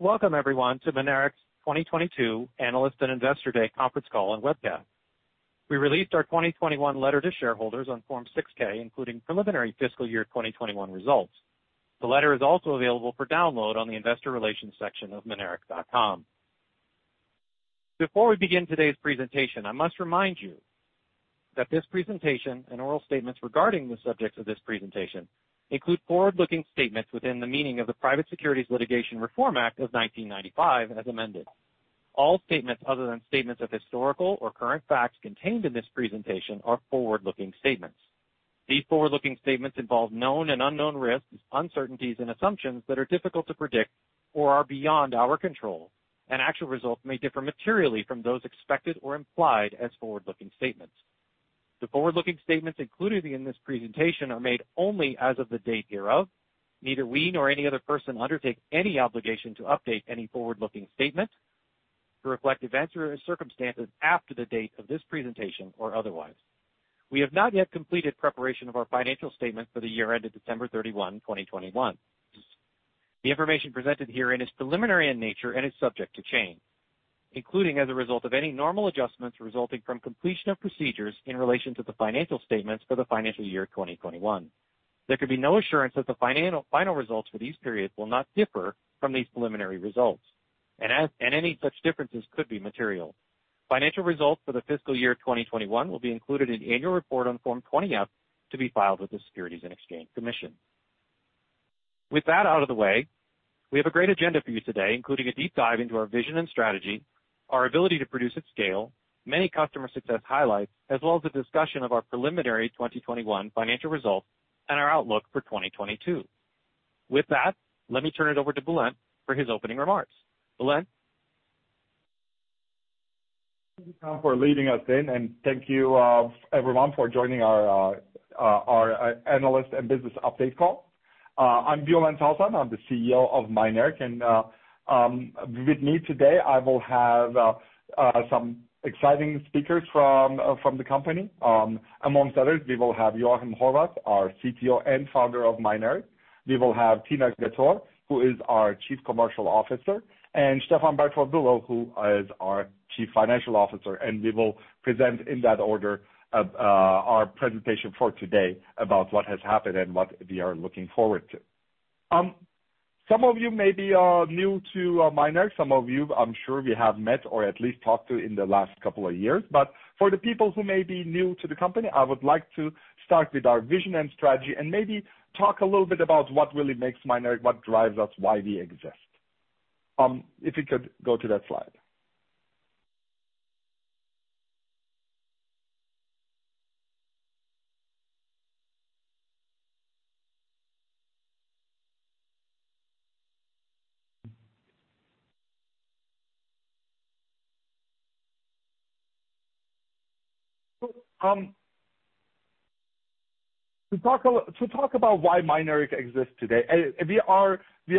Welcome everyone to Mynaric's 2022 Analyst and Investor Day conference call and webcast. We released our 2021 letter to shareholders on Form 6-K, including preliminary fiscal year 2021 results. The letter is also available for download on the investor relations section of mynaric.com. Before we begin today's presentation, I must remind you that this presentation and oral statements regarding the subject of this presentation include forward-looking statements within the meaning of the Private Securities Litigation Reform Act of 1995 as amended. All statements other than statements of historical or current facts contained in this presentation are forward-looking statements. These forward-looking statements involve known and unknown risks, uncertainties, and assumptions that are difficult to predict or are beyond our control, and actual results may differ materially from those expected or implied as forward-looking statements. The forward-looking statements included in this presentation are made only as of the date hereof. Neither we nor any other person undertake any obligation to update any forward-looking statements to reflect events or circumstances after the date of this presentation or otherwise. We have not yet completed preparation of our financial statements for the year ended December 31, 2021. The information presented herein is preliminary in nature and is subject to change, including as a result of any normal adjustments resulting from completion of procedures in relation to the financial statements for the financial year 2021. There can be no assurance that the final results for these periods will not differ from these preliminary results, and any such differences could be material. Financial results for the fiscal year 2021 will be included in annual report on Form 20-F to be filed with the Securities and Exchange Commission. With that out of the way, we have a great agenda for you today, including a deep dive into our vision and strategy, our ability to produce at scale, many customer success highlights, as well as a discussion of our preliminary 2021 financial results and our outlook for 2022. With that, let me turn it over to Bulent for his opening remarks. Bulent. Thank you, Tom, for leading us in, and thank you, everyone for joining our analyst and business update call. I'm Bulent Altan. I'm the CEO of Mynaric, and with me today, I will have some exciting speakers from the company. Among others, we will have Joachim Horwath, our CTO and founder of Mynaric. We will have Tina Ghataore, who is our Chief Commercial Officer, and Stefan Berndt-von Bülow, who is our Chief Financial Officer. We will present in that order of our presentation for today about what has happened and what we are looking forward to. Some of you may be new to Mynaric. Some of you I'm sure we have met or at least talked to in the last couple of years. For the people who may be new to the company, I would like to start with our vision and strategy and maybe talk a little bit about what really makes Mynaric, what drives us, why we exist. If we could go to that slide. To talk about why Mynaric exists today, we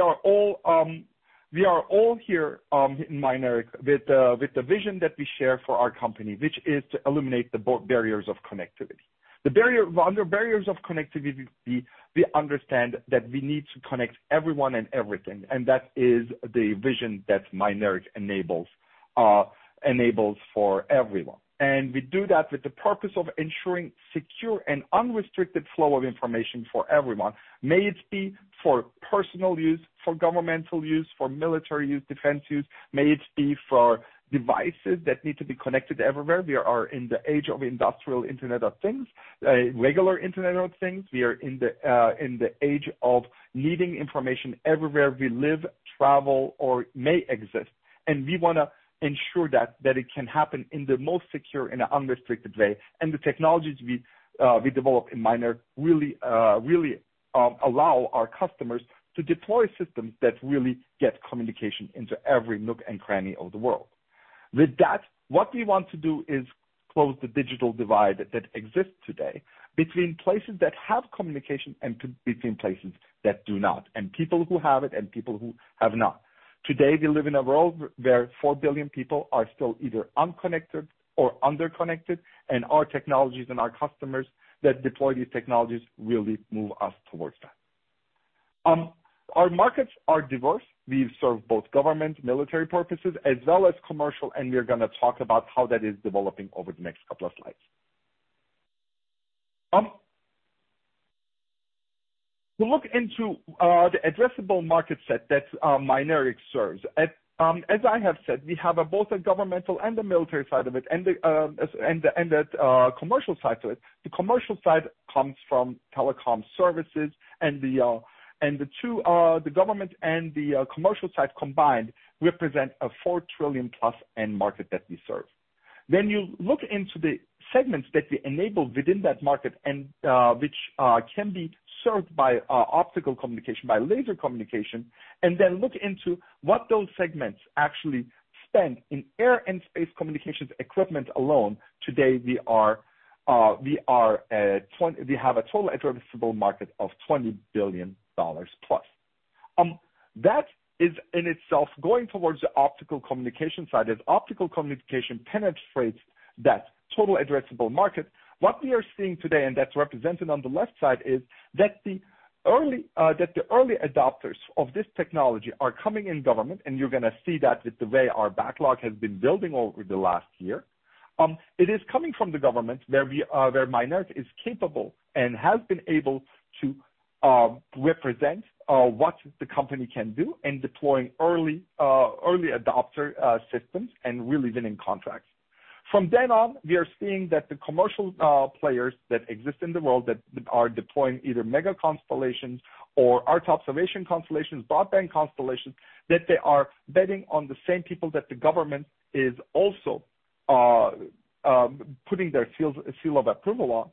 are all here in Mynaric with the vision that we share for our company, which is to eliminate the barriers of connectivity. Barriers of connectivity, we understand that we need to connect everyone and everything, and that is the vision that Mynaric enables for everyone. We do that with the purpose of ensuring secure and unrestricted flow of information for everyone. May it be for personal use, for governmental use, for military use, defense use. May it be for devices that need to be connected everywhere. We are in the age of industrial Internet of Things, regular Internet of Things. We are in the age of needing information everywhere we live, travel or may exist. We wanna ensure that it can happen in the most secure and unrestricted way. The technologies we develop in Mynaric really allow our customers to deploy systems that really get communication into every nook and cranny of the world. With that, what we want to do is close the digital divide that exists today between places that have communication and between places that do not, and people who have it and people who have not. Today, we live in a world where 4 billion people are still either unconnected or underconnected, and our technologies and our customers that deploy these technologies really move us towards that. Our markets are diverse. We serve both government, military purposes as well as commercial, and we're gonna talk about how that is developing over the next couple of slides. To look into the addressable market set that Mynaric serves. As I have said, we have both a governmental and a military side of it and the commercial side to it. The commercial side comes from telecom services and the government and commercial side combined represent a 4 trillion-plus end market that we serve. When you look into the segments that we enable within that market and which can be served by optical communication, by laser communication, and then look into what those segments actually spend in air and space communications equipment alone, today we have a total addressable market of $20+ billion. That is in itself going towards the optical communication side. As optical communication penetrates that total addressable market, what we are seeing today, and that's represented on the left side, is that the early adopters of this technology are coming in government, and you're gonna see that with the way our backlog has been building over the last year. It is coming from the government where Mynaric is capable and has been able to represent what the company can do in deploying early adopter systems and really winning contracts. From then on, we are seeing that the commercial players that exist in the world that are deploying either mega constellations or Earth observation constellations, broadband constellations, that they are betting on the same people that the government is also putting their seal of approval on.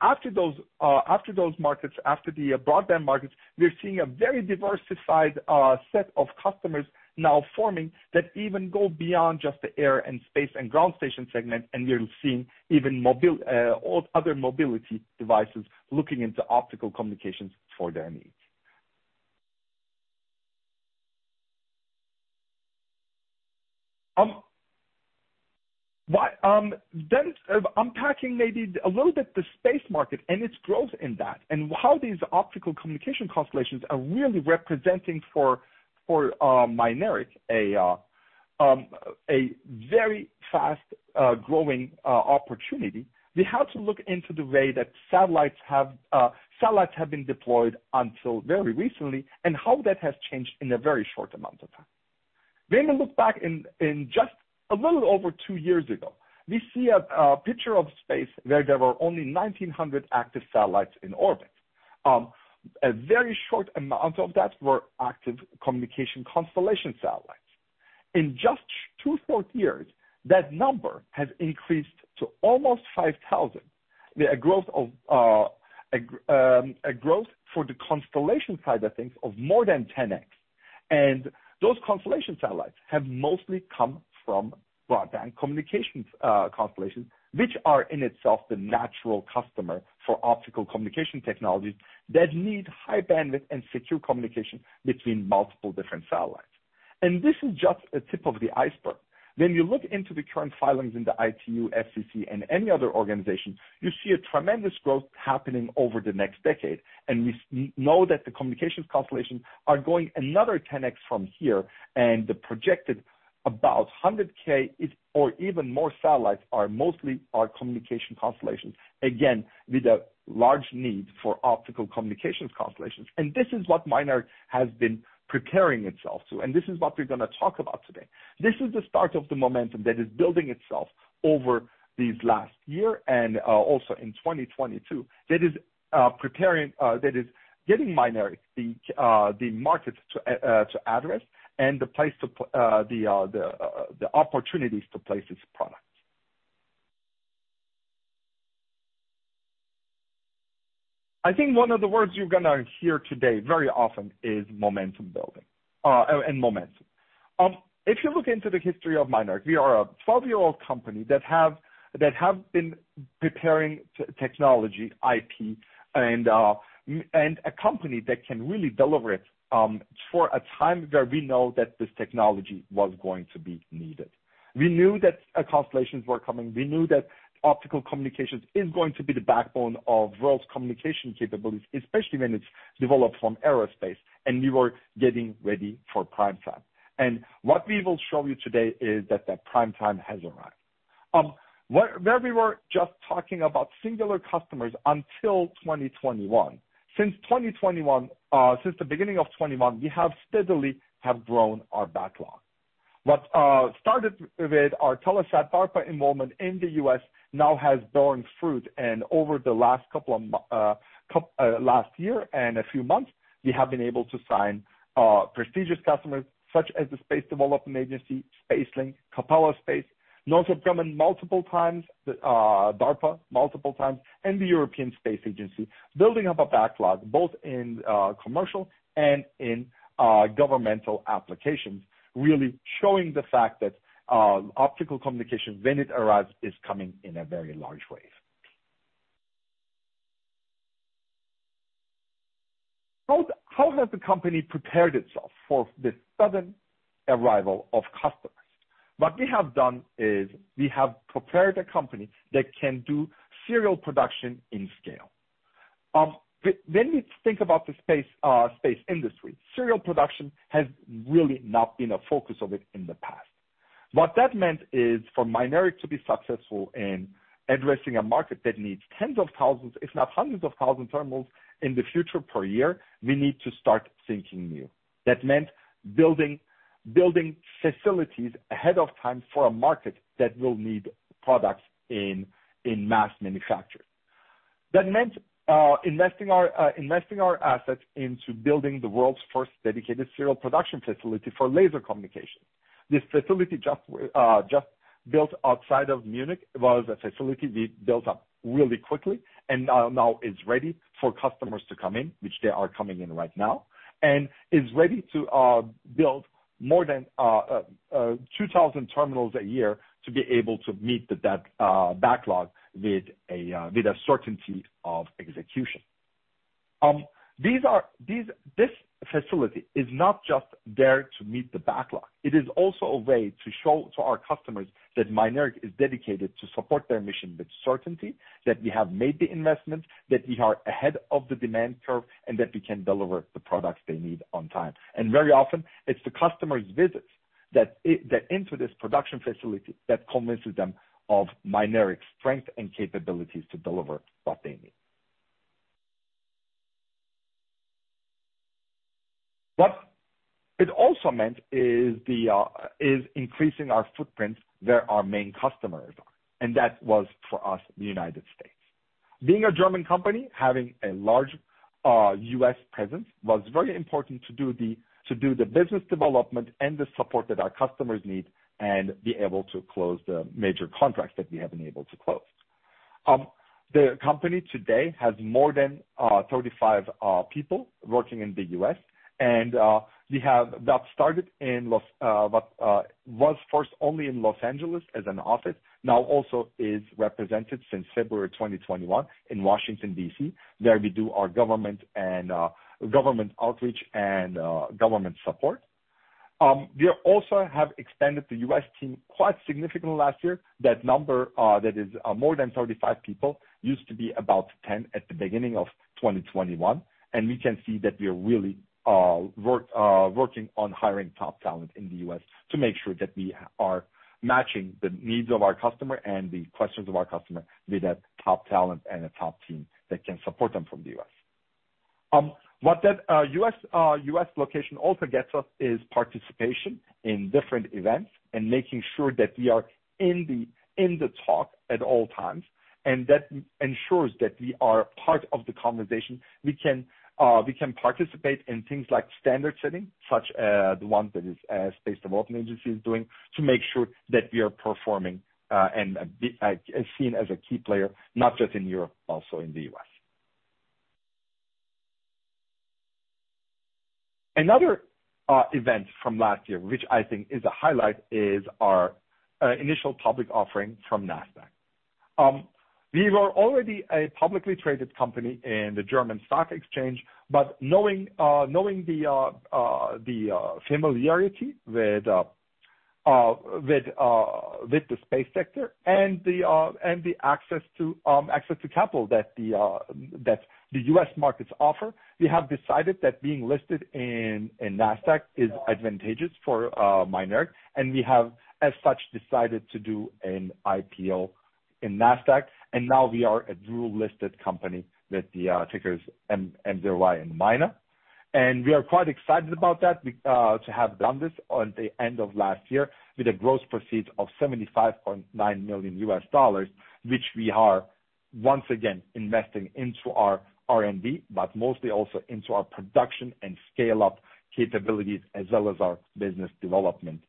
After those markets, after the broadband markets, we're seeing a very diversified set of customers now forming that even go beyond just the air and space and ground station segment. We're seeing even all other mobility devices looking into optical communications for their needs. Why then unpacking maybe a little bit the space market and its growth in that, and how these optical communication constellations are really representing for Mynaric a very fast growing opportunity. We have to look into the way that satellites have been deployed until very recently and how that has changed in a very short amount of time. When you look back in just a little over two years ago, we see a picture of space where there were only 1,900 active satellites in orbit. A very small amount of that were active communication constellation satellites. In just two short years, that number has increased to almost 5,000. A growth for the constellation side, I think, of more than 10x. Those constellation satellites have mostly come from broadband communications constellations, which are in itself the natural customer for optical communication technologies that need high bandwidth and secure communication between multiple different satellites. This is just a tip of the iceberg. When you look into the current filings in the ITU, FCC, and any other organization, you see a tremendous growth happening over the next decade. We know that the communications constellations are going another 10x from here. The projected about 100,000 or even more, satellites are mostly communication constellations, again, with a large need for optical communications constellations. This is what Mynaric has been preparing itself to, and this is what we're gonna talk about today. This is the start of the momentum that is building itself over these last year and also in 2022. That is preparing, that is getting Mynaric the markets to address and the place to the opportunities to place its products. I think one of the words you're gonna hear today very often is momentum building, and momentum. If you look into the history of Mynaric, we are a 12-year-old company that have been preparing technology IP and a company that can really deliver it, for a time where we know that this technology was going to be needed. We knew that constellations were coming. We knew that optical communications is going to be the backbone of world's communication capabilities, especially when it's developed from aerospace, and we were getting ready for prime time. What we will show you today is that prime time has arrived. Where we were just talking about singular customers until 2021. Since 2021, since the beginning of 2021, we have steadily grown our backlog. What started with our Telesat DARPA involvement in the U.S. now has borne fruit. Over the last year and a few months, we have been able to sign prestigious customers such as the Space Development Agency, SpaceLink, Capella Space, Northrop Grumman multiple times, DARPA multiple times, and the European Space Agency, building up a backlog both in commercial and in governmental applications, really showing the fact that optical communication, when it arrives, is coming in a very large wave. How has the company prepared itself for the sudden arrival of customers? What we have done is we have prepared a company that can do serial production in scale. When we think about the space industry, serial production has really not been a focus of it in the past. What that meant is for Mynaric to be successful in addressing a market that needs tens of thousands, if not hundreds of thousands terminals in the future per year, we need to start thinking new. That meant building facilities ahead of time for a market that will need products in mass manufacture. That meant investing our assets into building the world's first dedicated serial production facility for laser communication. This facility just built outside of Munich was a facility we built up really quickly and now is ready for customers to come in, which they are coming in right now. Is ready to build more than 2,000 terminals a year to be able to meet the demand backlog with a certainty of execution. This facility is not just there to meet the backlog. It is also a way to show to our customers that Mynaric is dedicated to support their mission with certainty, that we have made the investment, that we are ahead of the demand curve, and that we can deliver the products they need on time. Very often it's the customer's visits that enter this production facility that convinces them of Mynaric's strength and capabilities to deliver what they need. What it also meant is increasing our footprint where our main customers are, and that was for us, the United States. Being a German company, having a large U.S. presence was very important to do the business development and the support that our customers need and be able to close the major contracts that we have been able to close. The company today has more than 35 people working in the U.S. and we have that started in Los Angeles but was first only in Los Angeles as an office now also is represented since February 2021 in Washington, D.C., where we do our government and government outreach and government support. We also have expanded the U.S. team quite significantly last year. That number is more than 35 people, used to be about 10 at the beginning of 2021, and we can see that we are really working on hiring top talent in the U.S. to make sure that we are matching the needs of our customer and the questions of our customer with a top talent and a top team that can support them from the U.S. What that U.S. location also gets us is participation in different events and making sure that we are in the talk at all times. That ensures that we are part of the conversation. We can participate in things like standard setting, such as the one that the Space Development Agency is doing to make sure that we are performing and is seen as a key player, not just in Europe, also in the US. Another event from last year, which I think is a highlight, is our initial public offering from Nasdaq. We were already a publicly traded company in the Frankfurt Stock Exchange, but knowing the familiarity with the space sector and the access to capital that the U.S. markets offer, we have decided that being listed in Nasdaq is advantageous for Mynaric, and we have as such decided to do an IPO in Nasdaq. Now we are a dual-listed company with the tickers Mynaric and MYNA. We are quite excited about that to have done this at the end of last year with gross proceeds of $75.9 million, which we are once again investing into our R&D, but mostly also into our production and scale-up capabilities, as well as our business development team.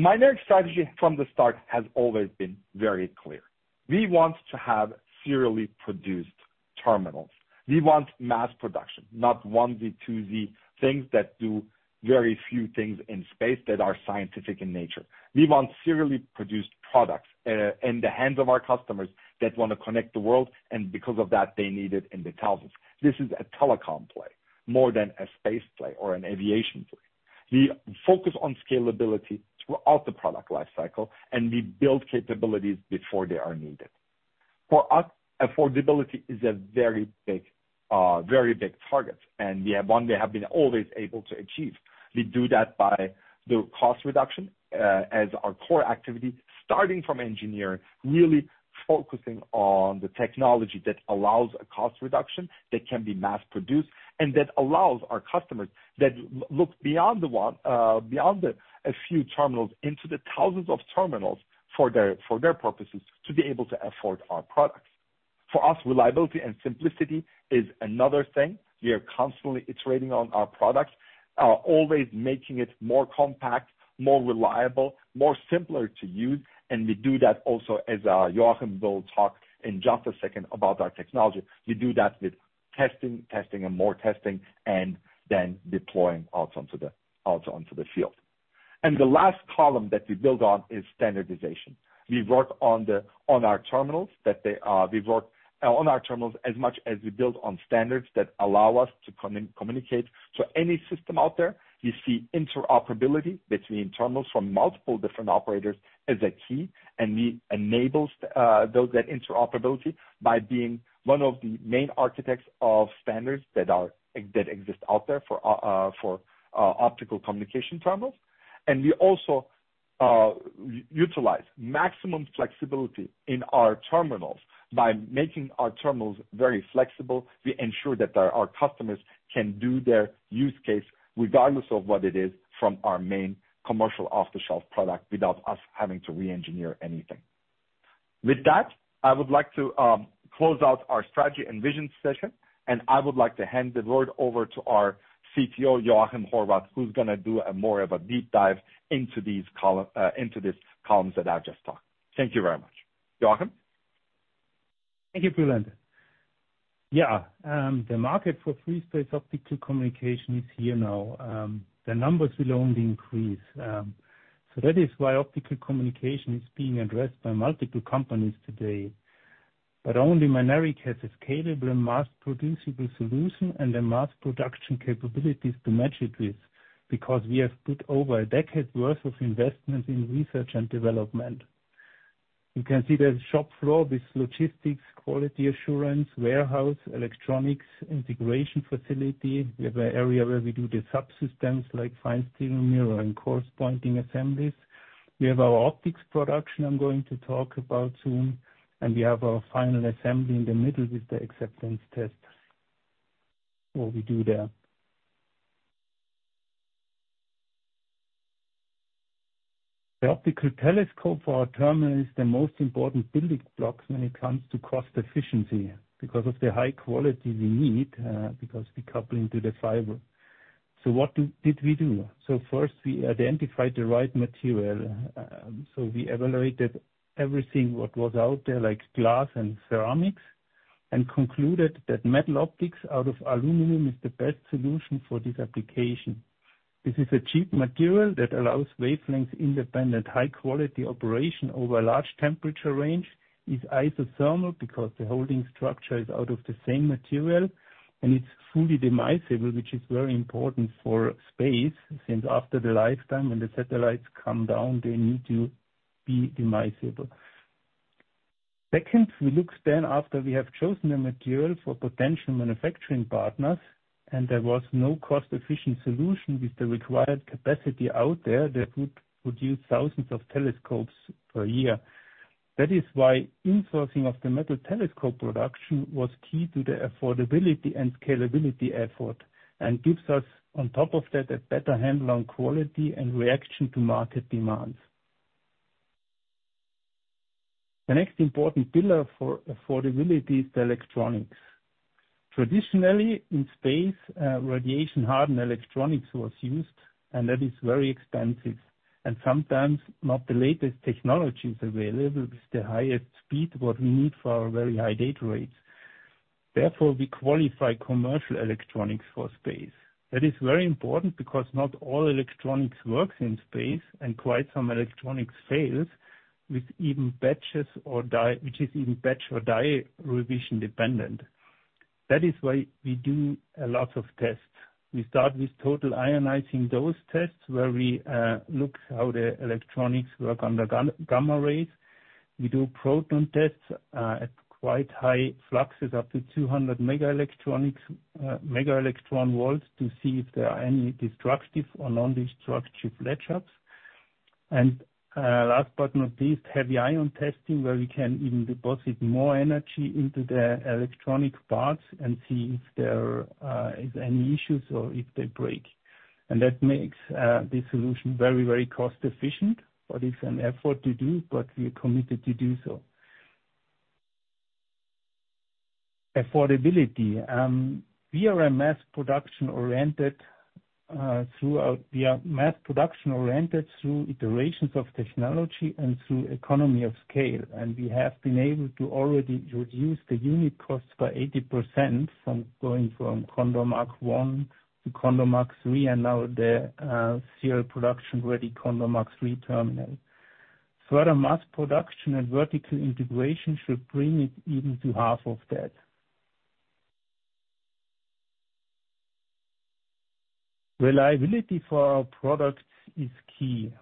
Mynaric's strategy from the start has always been very clear. We want to have serially produced terminals. We want mass production, not onesies, twosies things that do very few things in space that are scientific in nature. We want serially produced products in the hands of our customers that want to connect the world, and because of that, they need it in the thousands. This is a telecom play more than a space play or an aviation play. We focus on scalability throughout the product lifecycle, and we build capabilities before they are needed. For us, affordability is a very big target, and one we have been always able to achieve. We do that by the cost reduction as our core activity, starting from engineering, really focusing on the technology that allows a cost reduction that can be mass-produced, and that allows our customers that look beyond a few terminals into the thousands of terminals for their purposes to be able to afford our products. For us, reliability and simplicity is another thing. We are constantly iterating on our products, always making it more compact, more reliable, more simpler to use. We do that also as Joachim will talk in just a second about our technology. We do that with testing and more testing and then deploying out onto the field. The last column that we build on is standardization. We work on our terminals as much as we build on standards that allow us to communicate to any system out there. We see interoperability between terminals from multiple different operators as a key, and we enable that interoperability by being one of the main architects of standards that exist out there for optical communication terminals. We also utilize maximum flexibility in our terminals. By making our terminals very flexible, we ensure that our customers can do their use case regardless of what it is from our main commercial off-the-shelf product without us having to re-engineer anything. With that, I would like to close out our strategy and vision session, and I would like to hand the word over to our CTO, Joachim Horwath, who's gonna do more of a deep dive into these columns that I just talked. Thank you very much. Joachim. Thank you, Bulent. The market for free-space optical communication is here now. The numbers will only increase. That is why optical communication is being addressed by multiple companies today. Only Mynaric has a scalable and mass producible solution and the mass production capabilities to match it with, because we have put over a decade worth of investment in research and development. You can see the shop floor with logistics, quality assurance, warehouse, electronics, integration facility. We have an area where we do the subsystems like fine steering mirror and coarse pointing assemblies. We have our optics production I'm going to talk about soon, and we have our final assembly in the middle with the acceptance test. What we do there. The optical telescope for our terminal is the most important building block when it comes to cost efficiency because of the high quality we need, because we coupling to the fiber. What did we do? First, we identified the right material. We evaluated everything what was out there, like glass and ceramics, and concluded that metal optics out of aluminum is the best solution for this application. This is a cheap material that allows wavelength independent high quality operation over a large temperature range. It's isothermal because the holding structure is out of the same material and it's fully demisable, which is very important for space since after the lifetime when the satellites come down they need to be demisable. Second, we looked then after we have chosen the material for potential manufacturing partners and there was no cost efficient solution with the required capacity out there that would produce thousands of telescopes per year. That is why insourcing of the metal telescope production was key to the affordability and scalability effort and gives us on top of that a better handle on quality and reaction to market demands. The next important pillar for affordability is the electronics. Traditionally in space, radiation-hardened electronics was used and that is very expensive and sometimes not the latest technologies available with the highest speed what we need for our very high data rates. Therefore, we qualify commercial electronics for space. That is very important because not all electronics works in space and quite some electronics fails with even batches or die, which is even batch or die revision dependent. That is why we do a lot of tests. We start with total ionizing dose tests where we look how the electronics work under gamma rays. We do proton tests at quite high fluxes up to 200 mega electron volts to see if there are any destructive or non-destructive latchups. Last but not least, heavy ion testing where we can even deposit more energy into the electronic parts and see if there is any issues or if they break. That makes this solution very, very cost efficient. It's an effort to do, but we are committed to do so. Affordability. We are mass production oriented through iterations of technology and through economy of scale. We have been able to already reduce the unit cost by 80% from going from CONDOR Mk1 to CONDOR Mk3 and now the serial production ready CONDOR Mk3 terminal. Further mass production and vertical integration should bring it even to half of that. Reliability for our products is key.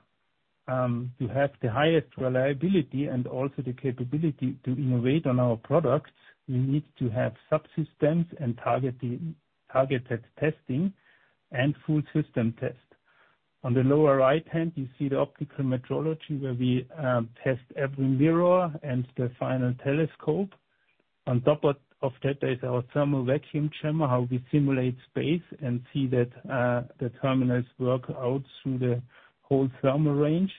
To have the highest reliability and also the capability to innovate on our products, we need to have subsystems and targeted testing and full system test. On the lower right-hand you see the optical metrology where we test every mirror and the final telescope. On top of that is our thermal vacuum chamber, how we simulate space and see that the terminals work throughout the whole thermal range.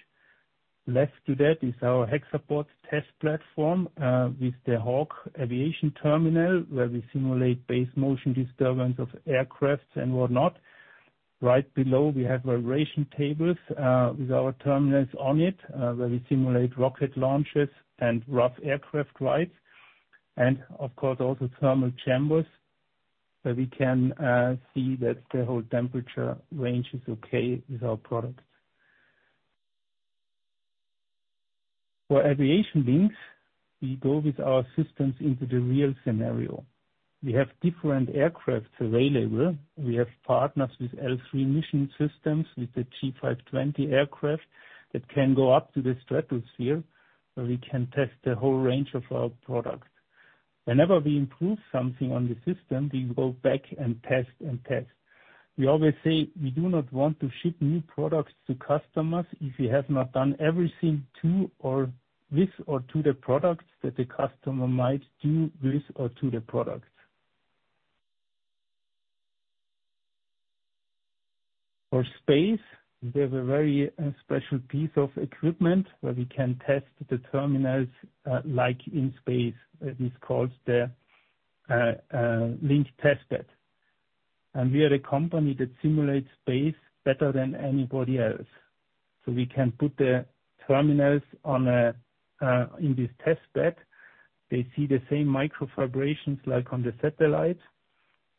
Left to that is our Hexapod test platform with the HAWK aviation terminal where we simulate base motion disturbance of aircraft and whatnot. Right below we have vibration tables with our terminals on it where we simulate rocket launches and rough aircraft rides. Of course, also thermal chambers where we can see that the whole temperature range is okay with our products. For aviation links, we go with our systems into the real scenario. We have different aircraft available. We have partners with L3 Mission Systems with the G520 aircraft that can go up to the stratosphere, where we can test the whole range of our products. Whenever we improve something on the system, we go back and test and test. We always say we do not want to ship new products to customers if we have not done everything to or with or to the products that the customer might do with or to the product. For space, we have a very special piece of equipment where we can test the terminals like in space. It is called the link testbed. We are a company that simulates space better than anybody else. We can put the terminals in this testbed. They see the same micro vibrations like on the satellite.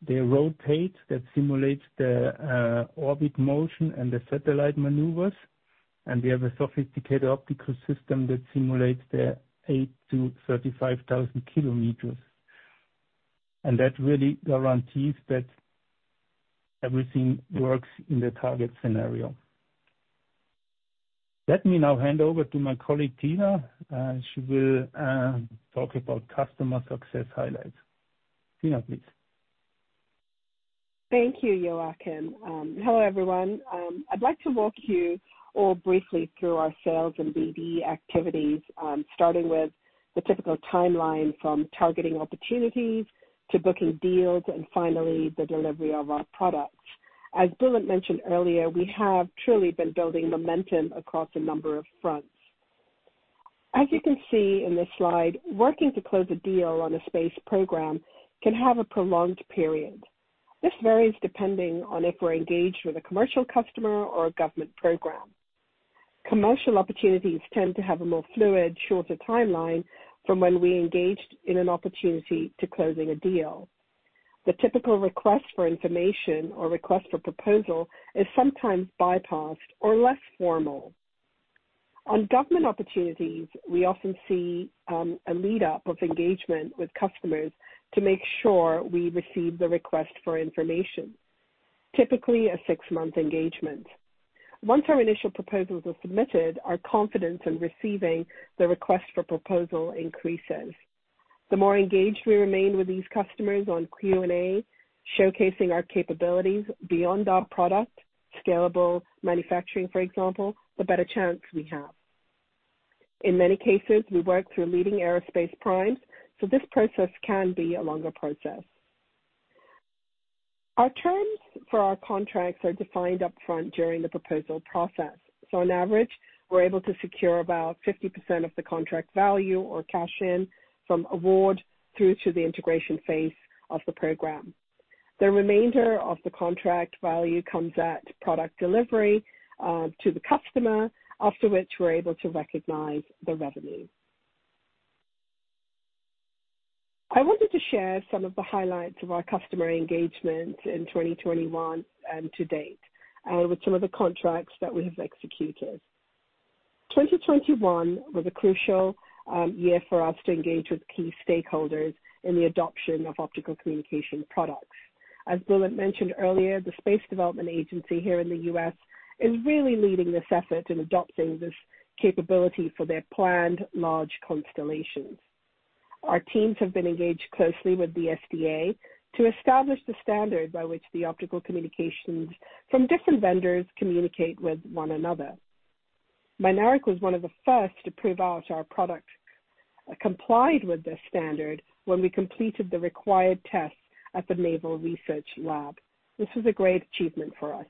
They rotate that simulates the orbit motion and the satellite maneuvers. We have a sophisticated optical system that simulates the 8,000-35,000 kilometers. That really guarantees that everything works in the target scenario. Let me now hand over to my colleague, Tina. She will talk about customer success highlights. Tina, please. Thank you, Joachim. Hello, everyone. I'd like to walk you all briefly through our sales and BD activities, starting with the typical timeline from targeting opportunities to booking deals and finally the delivery of our products. As Bulent mentioned earlier, we have truly been building momentum across a number of fronts. As you can see in this slide, working to close a deal on a space program can have a prolonged period. This varies depending on if we're engaged with a commercial customer or a government program. Commercial opportunities tend to have a more fluid, shorter timeline from when we engaged in an opportunity to closing a deal. The typical request for information or request for proposal is sometimes bypassed or less formal. On government opportunities, we often see a lead up of engagement with customers to make sure we receive the request for information. Typically, a six-month engagement. Once our initial proposals are submitted, our confidence in receiving the request for proposal increases. The more engaged we remain with these customers on Q&A, showcasing our capabilities beyond our product, scalable manufacturing, for example, the better chance we have. In many cases, we work through leading aerospace primes, so this process can be a longer process. Our terms for our contracts are defined upfront during the proposal process. On average, we're able to secure about 50% of the contract value or cash in from award through to the integration phase of the program. The remainder of the contract value comes at product delivery to the customer, after which we're able to recognize the revenue. I wanted to share some of the highlights of our customer engagement in 2021 to date with some of the contracts that we have executed. 2021 was a crucial year for us to engage with key stakeholders in the adoption of optical communication products. As Bulent mentioned earlier, the Space Development Agency here in the U.S. is really leading this effort in adopting this capability for their planned large constellations. Our teams have been engaged closely with the SDA to establish the standard by which the optical communications from different vendors communicate with one another. Mynaric was one of the first to prove out our product complied with this standard when we completed the required tests at the Naval Research Laboratory. This was a great achievement for us.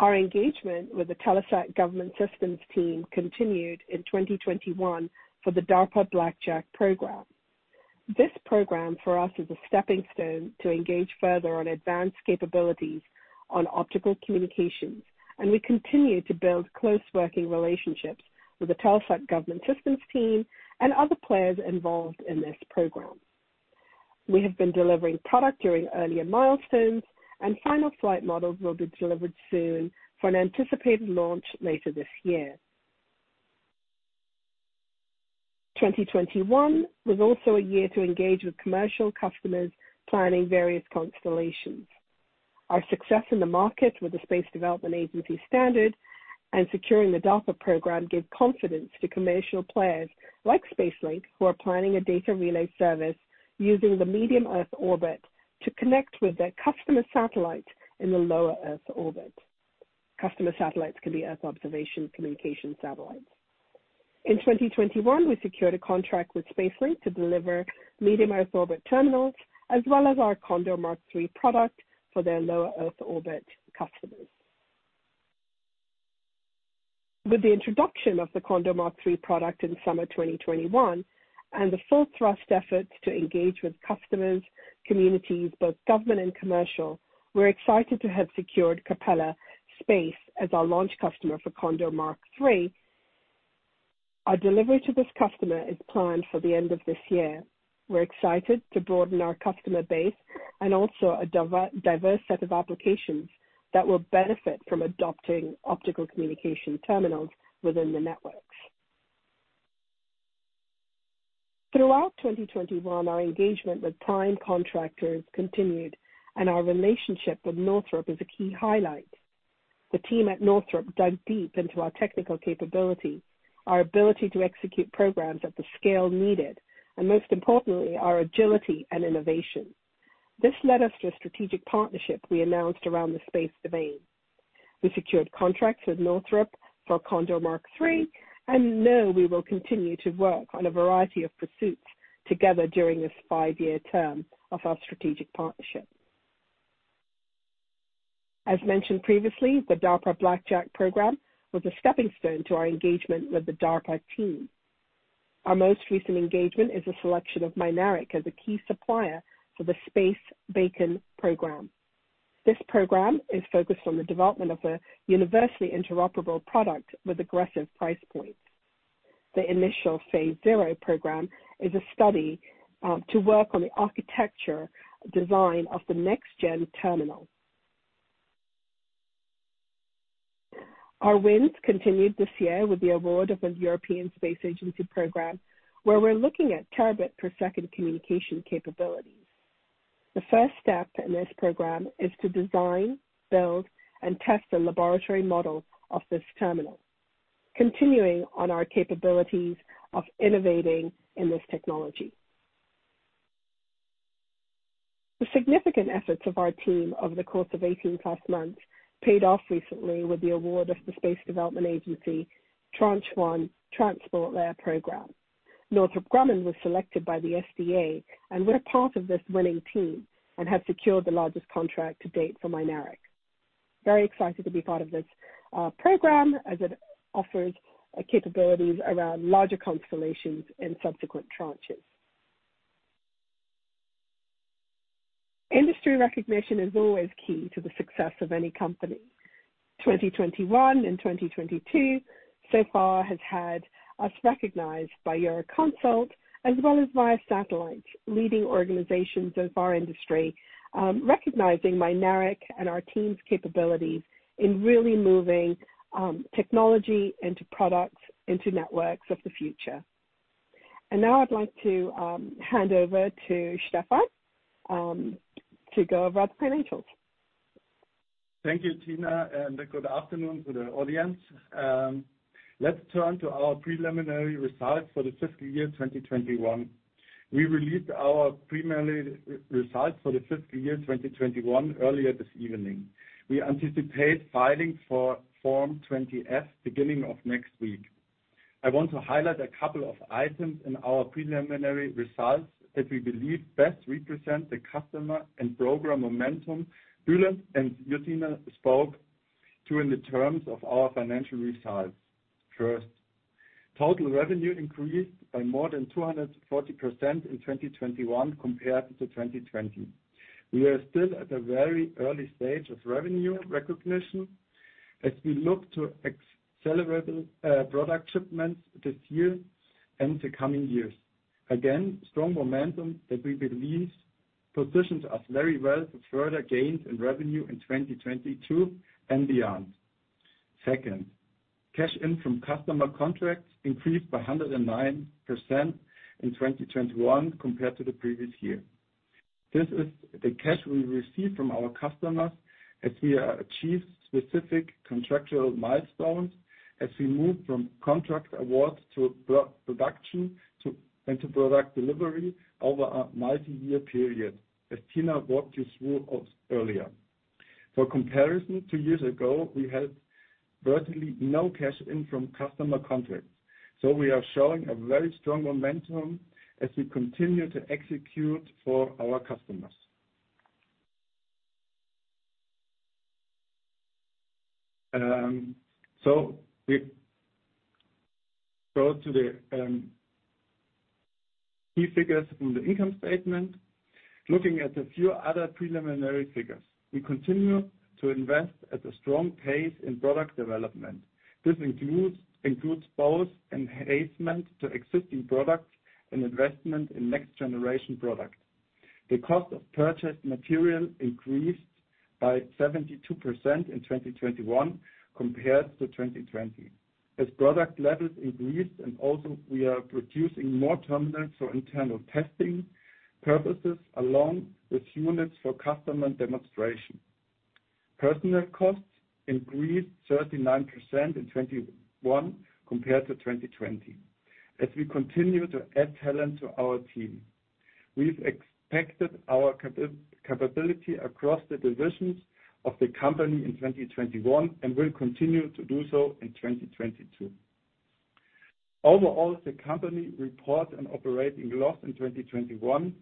Our engagement with the Telesat Government Solutions team continued in 2021 for the DARPA Blackjack program. This program, for us, is a stepping stone to engage further on advanced capabilities on optical communications, and we continue to build close working relationships with the Telesat Government Solutions team and other players involved in this program. We have been delivering product during earlier milestones and final flight models will be delivered soon for an anticipated launch later this year. 2021 was also a year to engage with commercial customers planning various constellations. Our success in the market with the Space Development Agency standard and securing the DARPA program gave confidence to commercial players like SpaceLink, who are planning a data relay service using the medium Earth orbit to connect with their customer satellite in the low Earth orbit. Customer satellites can be Earth observation communication satellites. In 2021, we secured a contract with SpaceLink to deliver medium Earth orbit terminals, as well as our CONDOR Mk3 product for their low Earth orbit customers. With the introduction of the CONDOR Mk3 product in summer 2021 and the full thrust efforts to engage with customers, communities, both government and commercial, we're excited to have secured Capella Space as our launch customer for CONDOR Mk3. Our delivery to this customer is planned for the end of this year. We're excited to broaden our customer base and also a diverse set of applications that will benefit from adopting optical communication terminals within the networks. Throughout 2021, our engagement with prime contractors continued and our relationship with Northrop Grumman is a key highlight. The team at Northrop Grumman dug deep into our technical capability, our ability to execute programs at the scale needed, and most importantly, our agility and innovation. This led us to a strategic partnership we announced around the space domain. We secured contracts with Northrop Grumman for CONDOR Mk3 and now we will continue to work on a variety of pursuits together during this five-year term of our strategic partnership. As mentioned previously, the DARPA Blackjack program was a stepping stone to our engagement with the DARPA team. Our most recent engagement is a selection of Mynaric as a key supplier for the Space-BACN program. This program is focused on the development of a universally interoperable product with aggressive price points. The initial phase zero program is a study to work on the architecture design of the next gen terminal. Our wins continued this year with the award of a European Space Agency program, where we're looking at terabit per second communication capabilities. The first step in this program is to design, build, and test a laboratory model of this terminal. Continuing on our capabilities of innovating in this technology. The significant efforts of our team over the course of 18+ months paid off recently with the award of the Space Development Agency Tranche 1 Transport Layer program. Northrop Grumman was selected by the SDA, and we're part of this winning team, and have secured the largest contract to date for Mynaric. Very excited to be part of this program as it offers capabilities around larger constellations in subsequent tranches. Industry recognition is always key to the success of any company. 2021 and 2022 so far has had us recognized by Euroconsult as well as Via Satellite, leading organizations of our industry, recognizing Mynaric and our team's capabilities in really moving technology into products, into networks of the future. Now I'd like to hand over to Stefan to go over the financials. Thank you, Tina, and good afternoon to the audience. Let's turn to our preliminary results for the fiscal year 2021. We released our preliminary results for the fiscal year 2021 earlier this evening. We anticipate filing for Form 20-F beginning of next week. I want to highlight a couple of items in our preliminary results that we believe best represent the customer and program momentum Bulent and Tina spoke to in the terms of our financial results. First, total revenue increased by more than 240% in 2021 compared to 2020. We are still at a very early stage of revenue recognition as we look to accelerate product shipments this year and the coming years. Again, strong momentum that we believe positions us very well for further gains in revenue in 2022 and beyond. Second, cash in from customer contracts increased by 109% in 2021 compared to the previous year. This is the cash we received from our customers as we achieved specific contractual milestones as we move from contract awards to pre-production and to product delivery over a multi-year period, as Tina walked you through earlier. For comparison, two years ago, we had virtually no cash in from customer contracts, so we are showing a very strong momentum as we continue to execute for our customers. We go to the key figures on the income statement. Looking at a few other preliminary figures. We continue to invest at a strong pace in product development. This includes both enhancement to existing products and investment in next-generation product. The cost of purchased material increased by 72% in 2021 compared to 2020 as product levels increased, and also we are producing more terminals for internal testing purposes along with units for customer demonstration. Personnel costs increased 39% in 2021 compared to 2020 as we continue to add talent to our team. We've expanded our capability across the divisions of the company in 2021 and will continue to do so in 2022. Overall, the company reports an operating loss in 2021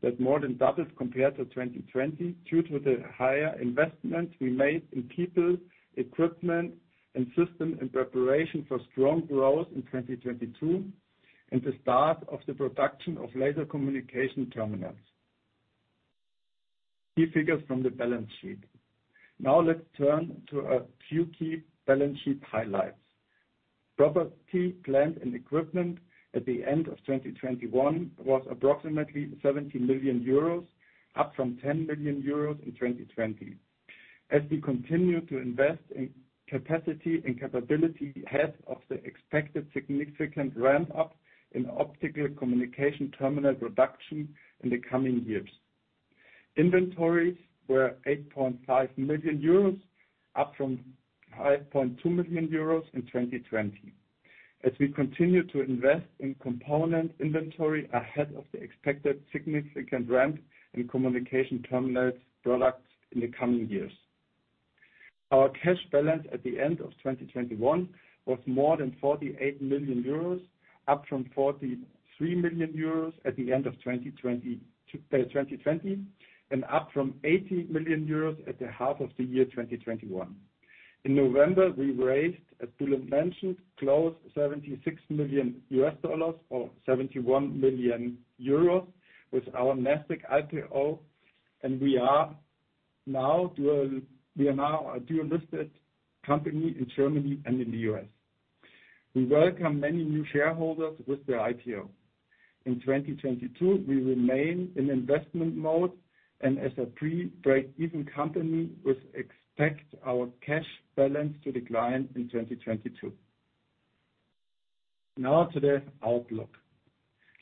that more than doubles compared to 2020 due to the higher investments we made in people, equipment, and system in preparation for strong growth in 2022 and the start of the production of laser communication terminals. Key figures from the balance sheet. Now let's turn to a few key balance sheet highlights. Property, plant, and equipment at the end of 2021 was approximately 70 million euros, up from 10 million euros in 2020 as we continue to invest in capacity and capability ahead of the expected significant ramp-up in optical communication terminal production in the coming years. Inventories were 8.5 million euros, up from 5.2 million euros in 2020 as we continue to invest in component inventory ahead of the expected significant ramp in communication terminals products in the coming years. Our cash balance at the end of 2021 was more than 48 million euros, up from 43 million euros at the end of 2020, and up from 80 million euros at the half of the year, 2021. In November, we raised, as Bulent mentioned, close to $76 million or 71 million euros with our Nasdaq IPO, and we are now a dual-listed company in Germany and in the U.S.. We welcome many new shareholders with the IPO. In 2022, we remain in investment mode and as a pre-break-even company, we expect our cash balance to decline in 2022. Now to the outlook.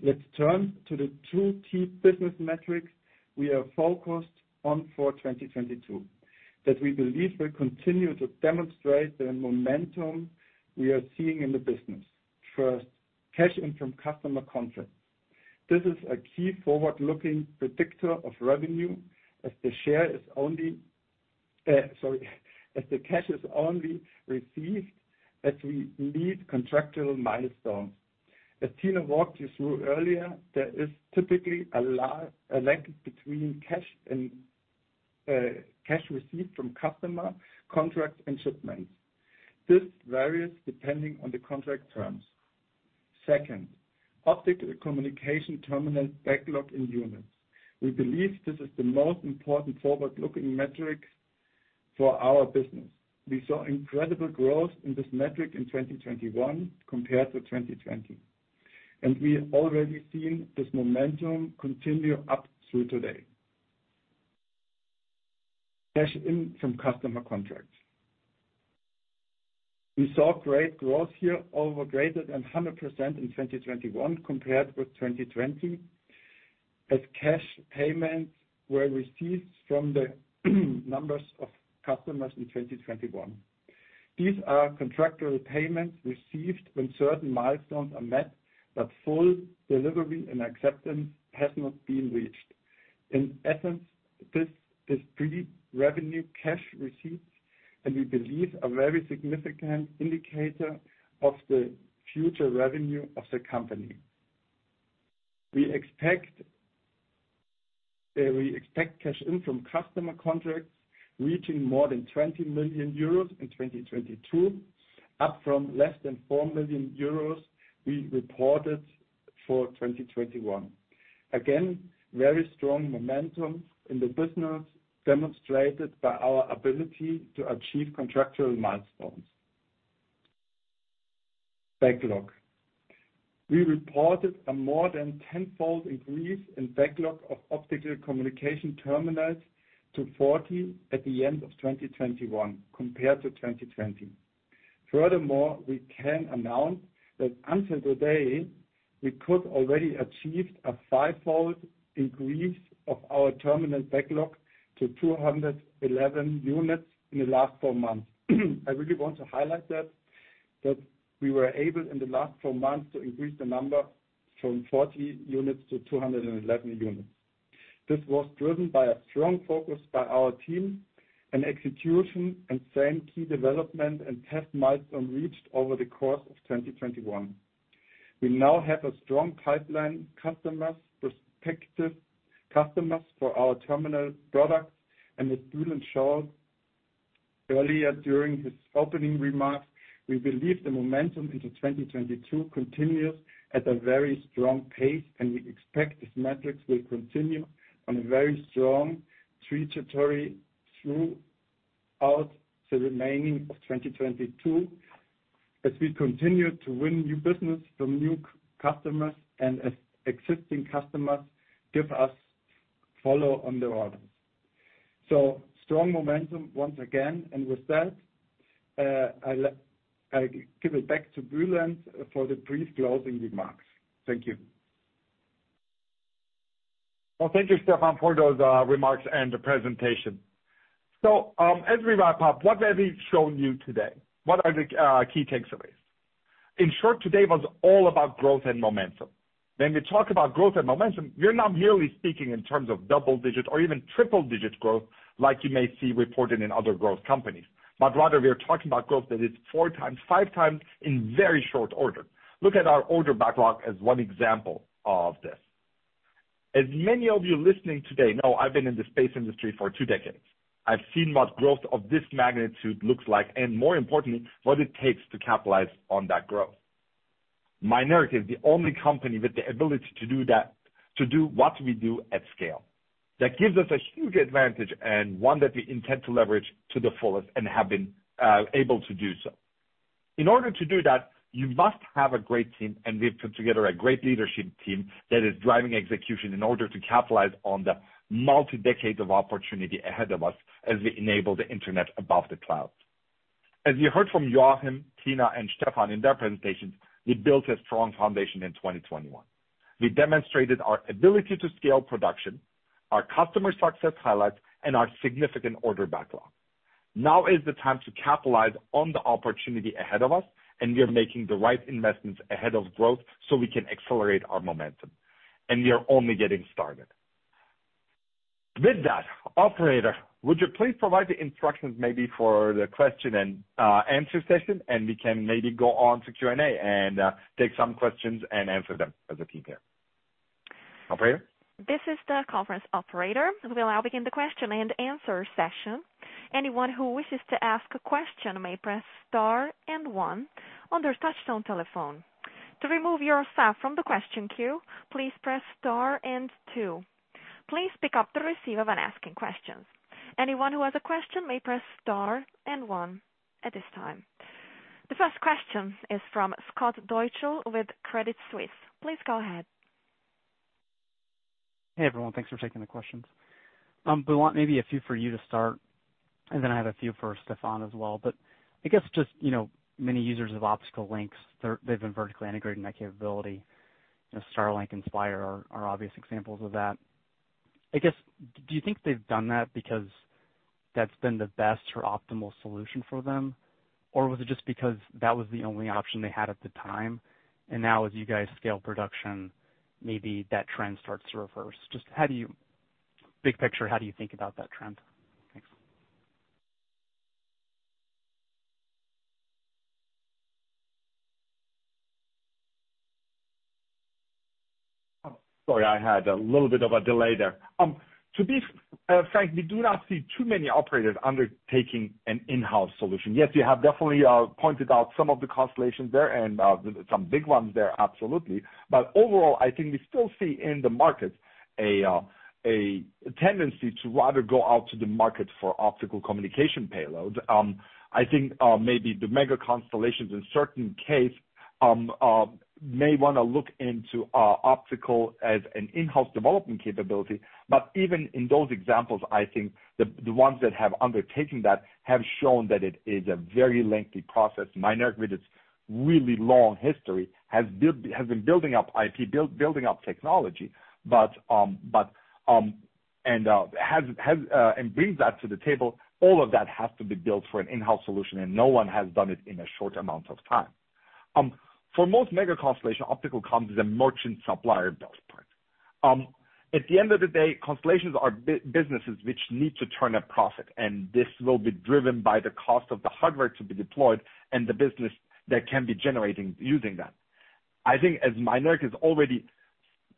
Let's turn to the two key business metrics we are focused on for 2022 that we believe will continue to demonstrate the momentum we are seeing in the business. First, cash in from customer contracts. This is a key forward-looking predictor of revenue as the cash is only received as we meet contractual milestones. As Tina walked you through earlier, there is typically a link between cash and cash received from customer contracts and shipments. This varies depending on the contract terms. Second, optical communication terminal backlog in units. We believe this is the most important forward-looking metric for our business. We saw incredible growth in this metric in 2021 compared to 2020, and we have already seen this momentum continue up through today. Cash in from customer contracts. We saw great growth here over greater than 100% in 2021 compared with 2020 as cash payments were received from the numbers of customers in 2021. These are contractual payments received when certain milestones are met, but full delivery and acceptance has not been reached. In essence, this is pre-revenue cash receipts and we believe a very significant indicator of the future revenue of the company. We expect cash in from customer contracts reaching more than 20 million euros in 2022, up from less than 4 million euros we reported for 2021. Very strong momentum in the business demonstrated by our ability to achieve contractual milestones. Backlog. We reported a more than tenfold increase in backlog of optical communication terminals to 40 at the end of 2021 compared to 2020. Furthermore, we can announce that until today, we could already achieved a fivefold increase of our terminal backlog to 211 units in the last four months. I really want to highlight that we were able in the last four months to increase the number from 40 units to 211 units. This was driven by a strong focus by our team and execution and same key development and test milestone reached over the course of 2021. We now have a strong pipeline customers, prospective customers for our terminal products. As Bulent showed earlier during his opening remarks, we believe the momentum into 2022 continues at a very strong pace, and we expect these metrics will continue on a very strong trajectory throughout the remaining of 2022 as we continue to win new business from new customers and as existing customers give us follow on their orders. Strong momentum once again. With that, I'll give it back to Bulent for the brief closing remarks. Thank you. Well, thank you, Stefan, for those remarks and the presentation. As we wrap up, what have we shown you today? What are the key takeaways? In short, today was all about growth and momentum. When we talk about growth and momentum, we're not merely speaking in terms of double digit or even triple digit growth like you may see reported in other growth companies, but rather we are talking about growth that is four times, five times in very short order. Look at our order backlog as one example of this. As many of you listening today know I've been in the space industry for two decades. I've seen what growth of this magnitude looks like, and more importantly, what it takes to capitalize on that growth. Mynaric is the only company with the ability to do that, to do what we do at scale. That gives us a huge advantage and one that we intend to leverage to the fullest and have been able to do so. In order to do that, you must have a great team, and we've put together a great leadership team that is driving execution in order to capitalize on the multi-decade opportunity ahead of us as we enable the Internet above the cloud. As you heard from Joachim, Tina, and Stefan in their presentations, we built a strong foundation in 2021. We demonstrated our ability to scale production, our customer success highlights, and our significant order backlog. Now is the time to capitalize on the opportunity ahead of us, and we are making the right investments ahead of growth so we can accelerate our momentum. We are only getting started. With that, operator, would you please provide the instructions maybe for the question and answer session, and we can maybe go on to Q&A and take some questions and answer them as a team here. Operator? This is the conference operator. We will now begin the question and answer session. Anyone who wishes to ask a question may press star and one on their touchtone telephone. To remove yourself from the question queue, please press star and two. Please pick up the receiver when asking questions. Anyone who has a question may press star and one at this time. The first question is from Scott Deuschle with Credit Suisse. Please go ahead. Hey everyone, thanks for taking the questions. We want maybe a few for you to start, and then I have a few for Stefan as well. I guess just, you know, many users of optical links, they're, they've been vertically integrating that capability. You know, Starlink and Spire are obvious examples of that. I guess, do you think they've done that because that's been the best or optimal solution for them? Or was it just because that was the only option they had at the time, and now as you guys scale production, maybe that trend starts to reverse? Just big picture, how do you think about that trend? Thanks. Sorry, I had a little bit of a delay there. To be frank, we do not see too many operators undertaking an in-house solution. Yes, you have definitely pointed out some of the constellations there and some big ones there, absolutely. Overall, I think we still see in the market a tendency to rather go out to the market for optical communication payloads. I think maybe the mega constellations in certain case may wanna look into optical as an in-house development capability. Even in those examples, I think the ones that have undertaken that have shown that it is a very lengthy process. Mynaric with its really long history has been building up IP, building up technology. has and brings that to the table, all of that has to be built for an in-house solution, and no one has done it in a short amount of time. For most mega constellation, optical comms is a merchant supplier at best part. At the end of the day, constellations are businesses which need to turn a profit, and this will be driven by the cost of the hardware to be deployed and the business that can be generated using that. I think as Mynaric is already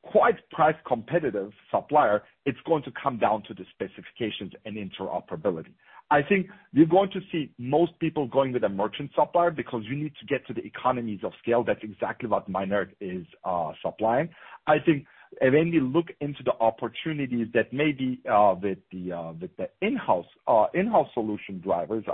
quite price competitive supplier, it's going to come down to the specifications and interoperability. I think we're going to see most people going with a merchant supplier because we need to get to the economies of scale. That's exactly what Mynaric is supplying. I think when we look into the opportunities that maybe with the in-house solution drivers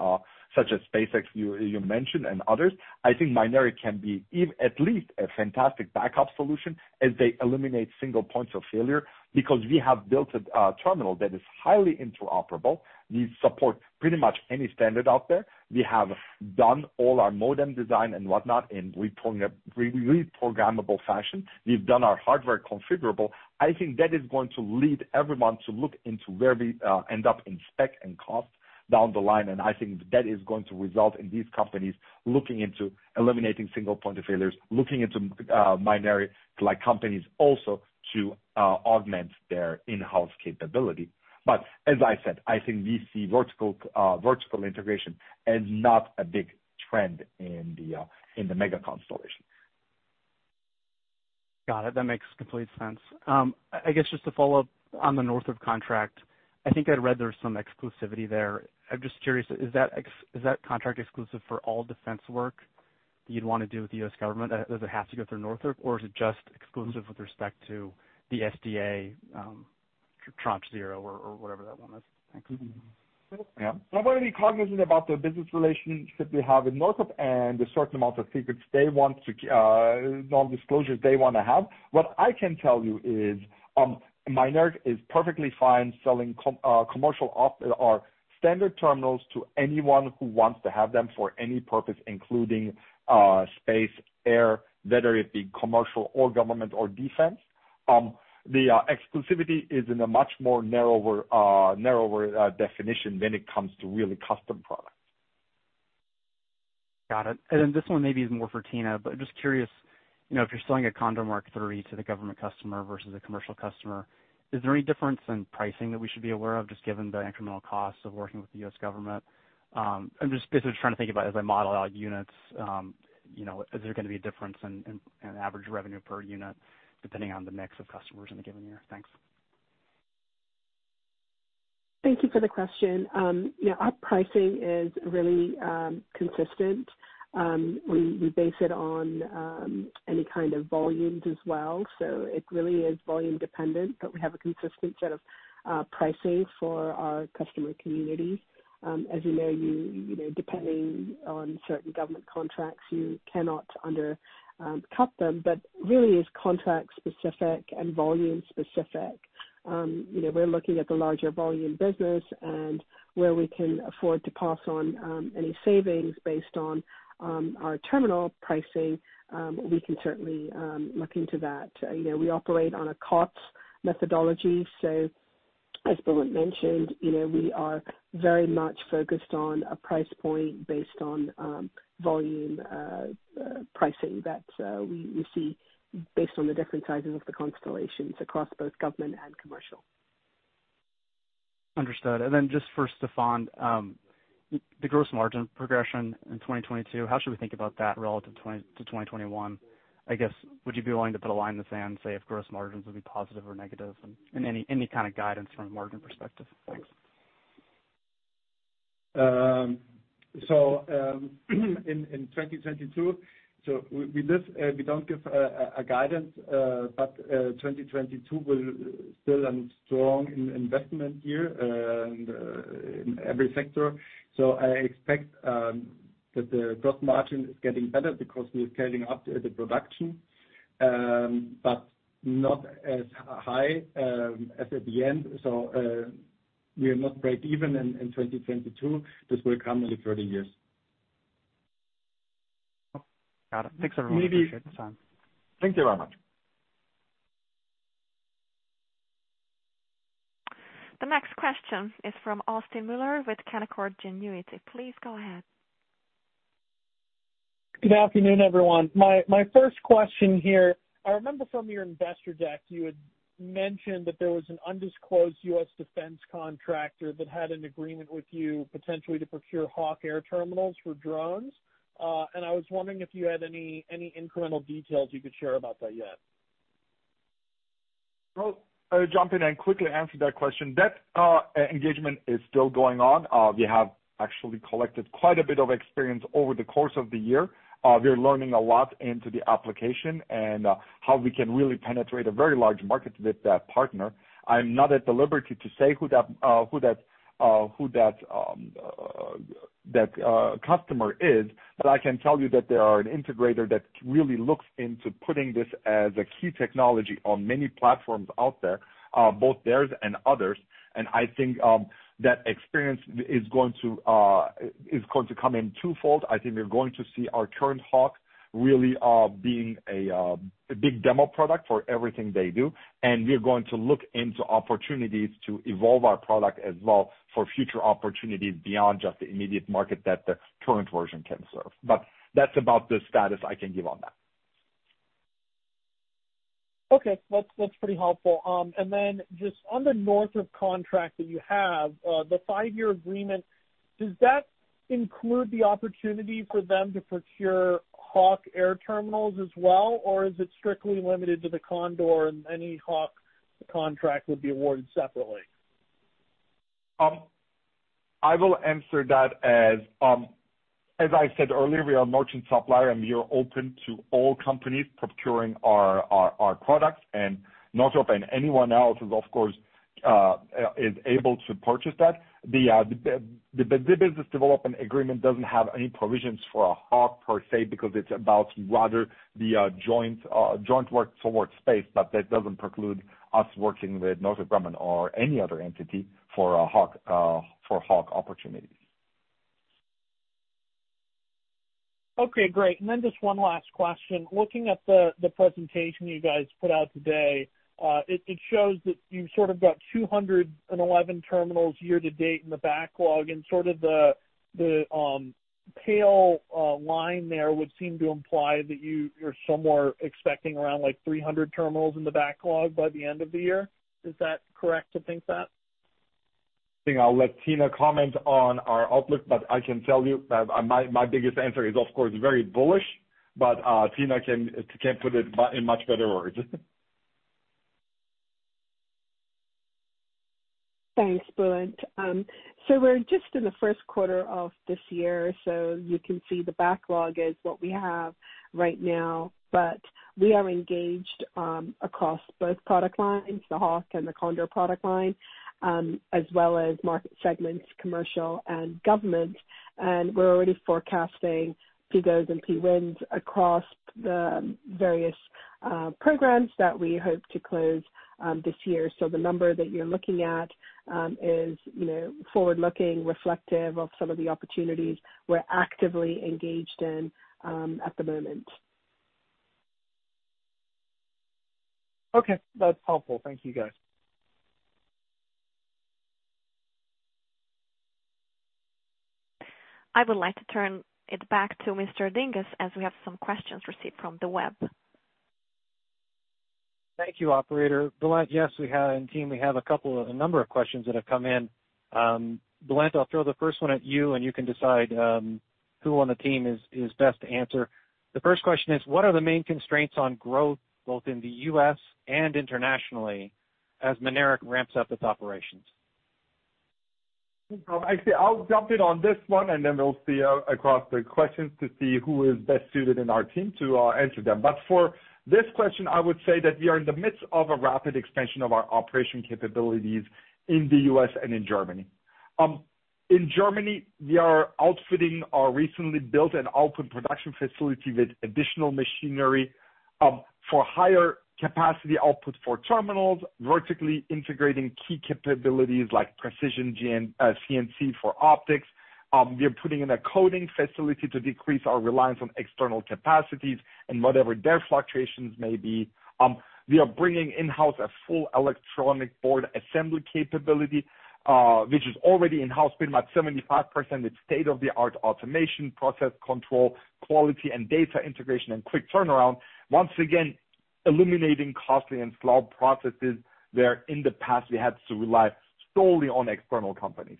such as SpaceX you mentioned and others, I think Mynaric can be at least a fantastic backup solution as they eliminate single points of failure because we have built a terminal that is highly interoperable. We support pretty much any standard out there. We have done all our modem design and whatnot in reprogrammable fashion. We've done our hardware configurable. I think that is going to lead everyone to look into where we end up in spec and cost down the line, and I think that is going to result in these companies looking into eliminating single point of failures, looking into Mynaric-like companies also to augment their in-house capability. As I said, I think we see vertical integration as not a big trend in the mega constellation. Got it. That makes complete sense. I guess just to follow up on the Northrop Grumman contract. I think I'd read there's some exclusivity there. I'm just curious, is that contract exclusive for all defense work you'd wanna do with the U.S. government? Does it have to go through Northrop Grumman, or is it just exclusive with respect to the SDA, Tranche zero or whatever that one is? Thanks. Yeah. I'm very cognizant about the business relationship we have with Northrop Grumman and the certain amount of secrets they want to non-disclosures they wanna have. What I can tell you is, Mynaric is perfectly fine selling commercial or standard terminals to anyone who wants to have them for any purpose including space, air, whether it be commercial or government or defense. The exclusivity is in a much more narrower definition when it comes to really custom products. Got it. This one maybe is more for Tina, but just curious, you know, if you're selling a Condor Mk3 to the government customer versus a commercial customer, is there any difference in pricing that we should be aware of, just given the incremental costs of working with the U.S. government? I'm just basically trying to think about as I model out units, you know, is there gonna be a difference in average revenue per unit depending on the mix of customers in a given year? Thanks. Thank you for the question. You know, our pricing is really consistent. We base it on any kind of volumes as well, it really is volume dependent. We have a consistent set of pricing for our customer communities. As you know, you know, depending on certain government contracts, you cannot undercut them, but really it's contract specific and volume specific. You know, we're looking at the larger volume business and where we can afford to pass on any savings based on our terminal pricing. We can certainly look into that. You know, we operate on a COTS methodology, so as Bulent mentioned, you know, we are very much focused on a price point based on volume, pricing that we see based on the different sizes of the constellations across both government and commercial. Understood. Then just for Stefan, the gross margin progression in 2022, how should we think about that relative to 2021? I guess, would you be willing to put a line in the sand, say if gross margins would be positive or negative and any kind of guidance from a margin perspective? Thanks. In 2022, we just, we don't give guidance, but 2022 will still a strong investment year, and in every sector. I expect that the gross margin is getting better because we are scaling up the production, but not as high, as at the end. We will not break even in 2022. This will come in further years. Oh, got it. Thanks everyone. Appreciate the time. Thank you very much. The next question is from Austin Moeller with Canaccord Genuity. Please go ahead. Good afternoon, everyone. My first question here. I remember from your investor deck you had mentioned that there was an undisclosed U.S. defense contractor that had an agreement with you potentially to procure HAWK air terminals for drones. I was wondering if you had any incremental details you could share about that yet. I'll jump in and quickly answer that question. That engagement is still going on. We have actually collected quite a bit of experience over the course of the year. We're learning a lot into the application and how we can really penetrate a very large market with that partner. I'm not at liberty to say who that customer is, but I can tell you that they are an integrator that really looks into putting this as a key technology on many platforms out there, both theirs and others. I think that experience is going to come in twofold. I think we're going to see our current HAWK really being a big demo product for everything they do. We're going to look into opportunities to evolve our product as well for future opportunities beyond just the immediate market that the current version can serve. That's about the status I can give on that. Okay. That's pretty helpful. Just on the Northrop contract that you have, the five-year agreement, does that include the opportunity for them to procure HAWK air terminals as well? Or is it strictly limited to the CONDOR and any HAWK contract would be awarded separately? I will answer that as I said earlier, we are a merchant supplier, and we are open to all companies procuring our products, and Northrop Grumman and anyone else is of course able to purchase that. The business development agreement doesn't have any provisions for a HAWK per se because it's about rather the joint work for space. That doesn't preclude us working with Northrop Grumman or any other entity for a HAWK, for HAWK opportunities. Okay. Great. Then just one last question. Looking at the presentation you guys put out today, it shows that you've sort of got 211 terminals year to date in the backlog. Sort of the pale line there would seem to imply that you're somewhere expecting around like 300 terminals in the backlog by the end of the year. Is that correct to think that? I think I'll let Tina comment on our outlook, but I can tell you, my biggest answer is, of course, very bullish, but Tina can put it in much better words. Thanks, Bulent. We're just in the first quarter of this year. You can see the backlog is what we have right now. We are engaged across both product lines, the HAWK and the CONDOR product line, as well as market segments, commercial and government. We're already forecasting few goes and few wins across the various programs that we hope to close this year. The number that you're looking at is, you know, forward-looking, reflective of some of the opportunities we're actively engaged in at the moment. Okay. That's helpful. Thank you, guys. I would like to turn it back to Mr. Dinges as we have some questions received from the web. Thank you, operator. Bulent, yes, we have and team, we have a number of questions that have come in. Bulent, I'll throw the first one at you, and you can decide who on the team is best to answer. The first question is, what are the main constraints on growth both in the U.S. And internationally as Mynaric ramps up its operations? Actually, I'll jump in on this one, and then we'll see across the questions to see who is best suited in our team to answer them. For this question, I would say that we are in the midst of a rapid expansion of our operational capabilities in the U.S. and in Germany. In Germany, we are outfitting our recently built and outfitted production facility with additional machinery for higher capacity output for terminals, vertically integrating key capabilities like precision CNC for optics. We are putting in a coating facility to decrease our reliance on external capacities and whatever their fluctuations may be. We are bringing in-house a full electronic board assembly capability, which is already in-house, being about 75% with state-of-the-art automation, process control, quality and data integration, and quick turnaround. Once again, eliminating costly and slow processes where in the past we had to rely solely on external companies.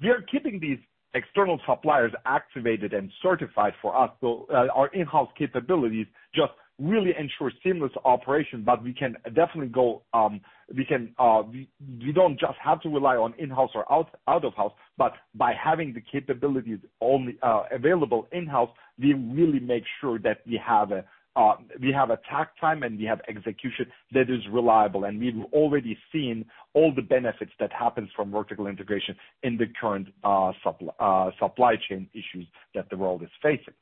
We are keeping these external suppliers activated and certified for us. Our in-house capabilities just really ensure seamless operation. We don't just have to rely on in-house or out of house, but by having the capabilities available in-house, we really make sure that we have a takt time and we have execution that is reliable. We've already seen all the benefits that happen from vertical integration in the current supply chain issues that the world is facing.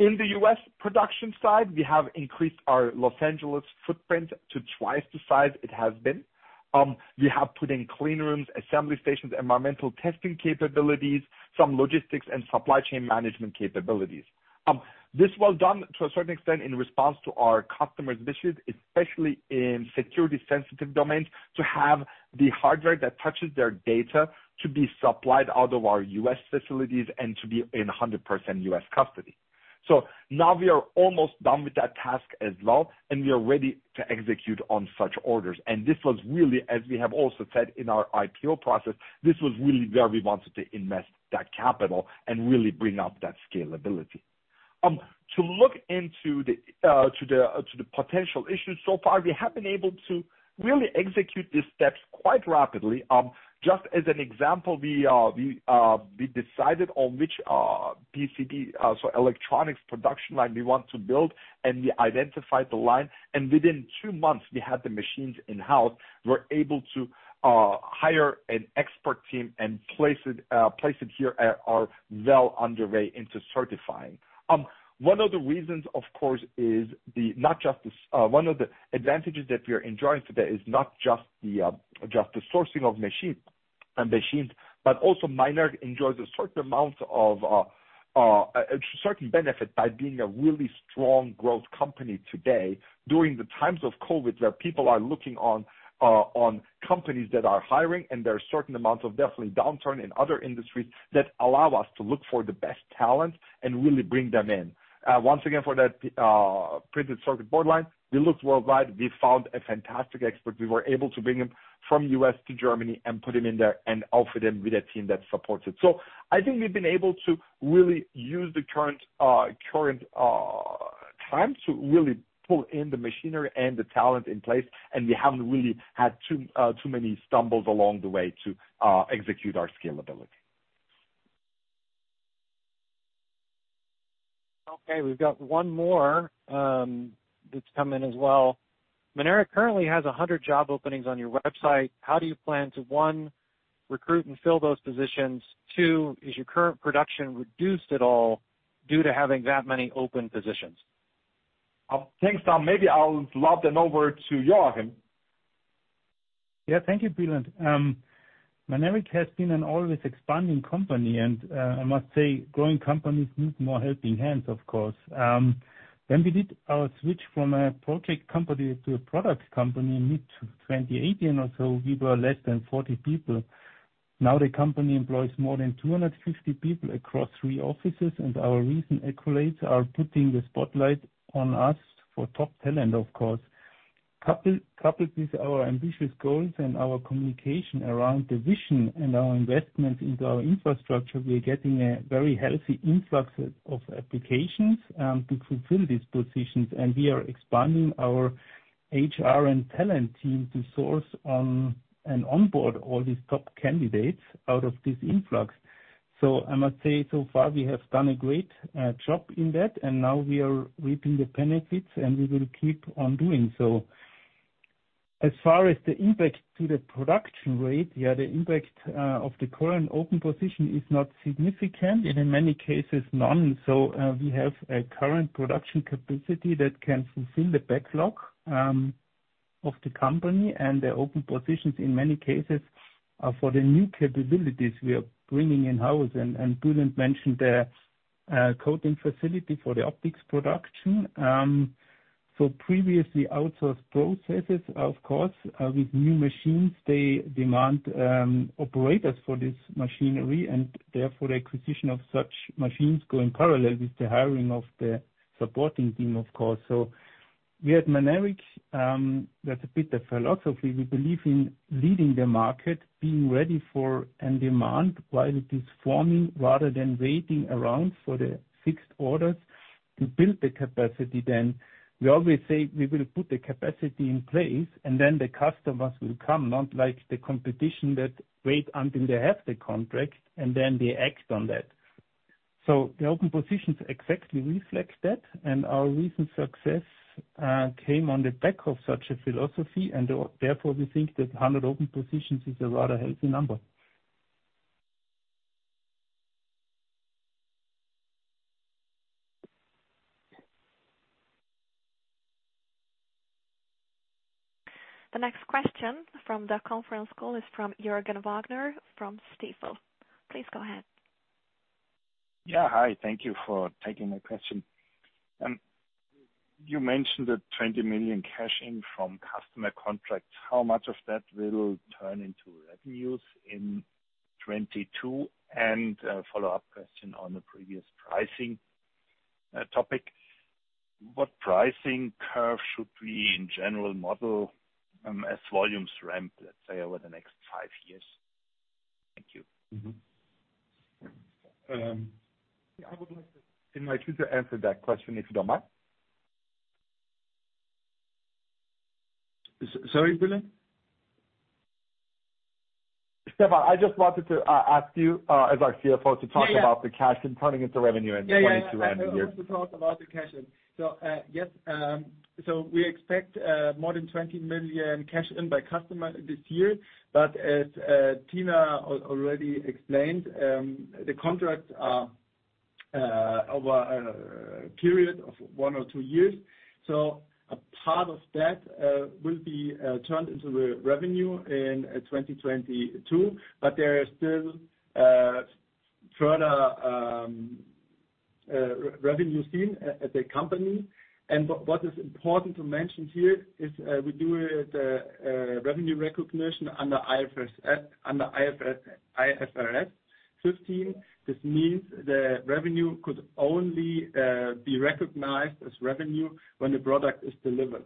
In the U.S. production side, we have increased our Los Angeles footprint to twice the size it has been. We have put in clean rooms, assembly stations, environmental testing capabilities, some logistics and supply chain management capabilities. This was done to a certain extent in response to our customers' wishes, especially in security sensitive domains, to have the hardware that touches their data to be supplied out of our U.S. facilities and to be in 100% U.S. custody. Now we are almost done with that task as well, and we are ready to execute on such orders. This was really, as we have also said in our IPO process, this was really where we wanted to invest that capital and really bring up that scalability. To look into the potential issues so far, we have been able to really execute these steps quite rapidly. Just as an example, we decided on which PCB so electronics production line we want to build, and we identified the line, and within two months we had the machines in-house. We're able to hire an expert team and place it here as we're well underway in certifying. One of the advantages that we are enjoying today is not just the sourcing of machinery, but also Mynaric enjoys a certain amount of a certain benefit by being a really strong growth company today during the times of COVID, where people are looking to companies that are hiring and there are definite downturns in other industries that allow us to look for the best talent and really bring them in. Once again, for that printed circuit board line, we looked worldwide. We found a fantastic expert. We were able to bring him from the U.S. to Germany and put him in there and offer him with a team that supports it. I think we've been able to really use the current time to really pull in the machinery and the talent in place, and we haven't really had too many stumbles along the way to execute our scalability. Okay, we've got one more that's come in as well. Mynaric currently has 100 job openings on your website. How do you plan to, one, recruit and fill those positions? Two, is your current production reduced at all due to having that many open positions? Thanks, Tom. Maybe I'll lob them over to Joachim. Yeah. Thank you, Bulent. Mynaric has been an always expanding company. I must say, growing companies need more helping hands, of course. When we did our switch from a project company to a product company in mid-2018 or so, we were less than 40 people. Now the company employs more than 250 people across 3 offices, and our recent accolades are putting the spotlight on us for top talent, of course. Coupled with our ambitious goals and our communication around the vision and our investment into our infrastructure, we are getting a very healthy influx of applications to fulfill these positions. We are expanding our HR and talent team to source on and onboard all these top candidates out of this influx. I must say, so far we have done a great job in that, and now we are reaping the benefits, and we will keep on doing so. As far as the impact to the production rate, the impact of the current open position is not significant and in many cases none. We have a current production capacity that can fulfill the backlog of the company and the open positions in many cases for the new capabilities we are bringing in-house. Bulent mentioned the coating facility for the optics production. Previously outsourced processes, of course, with new machines, they demand operators for this machinery and therefore the acquisition of such machines go in parallel with the hiring of the supporting team, of course. We at Mynaric, that's a bit the philosophy. We believe in leading the market, being ready for any demand while it is forming, rather than waiting around for the fixed orders to build the capacity then. We always say we will put the capacity in place and then the customers will come, not like the competition that wait until they have the contract and then they act on that. The open positions exactly reflect that. Our recent success came on the back of such a philosophy. Therefore, we think that 100 open positions is a rather healthy number. The next question from the conference call is from Jürgen Wagner from Stifel. Please go ahead. Yeah. Hi. Thank you for taking my question. You mentioned the 20 million cash in from customer contracts. How much of that will turn into revenues in 2022? A follow-up question on the previous pricing topic. What pricing curve should we in general model as volumes ramp, let's say, over the next five years? Thank you. Mm-hmm. Yeah, I would like to invite you to answer that question, if you don't mind. Sorry, Bulent? Stefan, I just wanted to ask you, as our CFO, to talk about the cash and turning into revenue in 2022 and beyond. Yeah, yeah. I'm happy to talk about the cash in. Yes. We expect more than 20 million cash in by customer this year. As Tina already explained, the contracts are Over a period of one or two years. A part of that will be turned into revenue in 2022, but there are still further revenue seen at the company. What is important to mention here is we do revenue recognition under IFRS 15. This means the revenue could only be recognized as revenue when the product is delivered.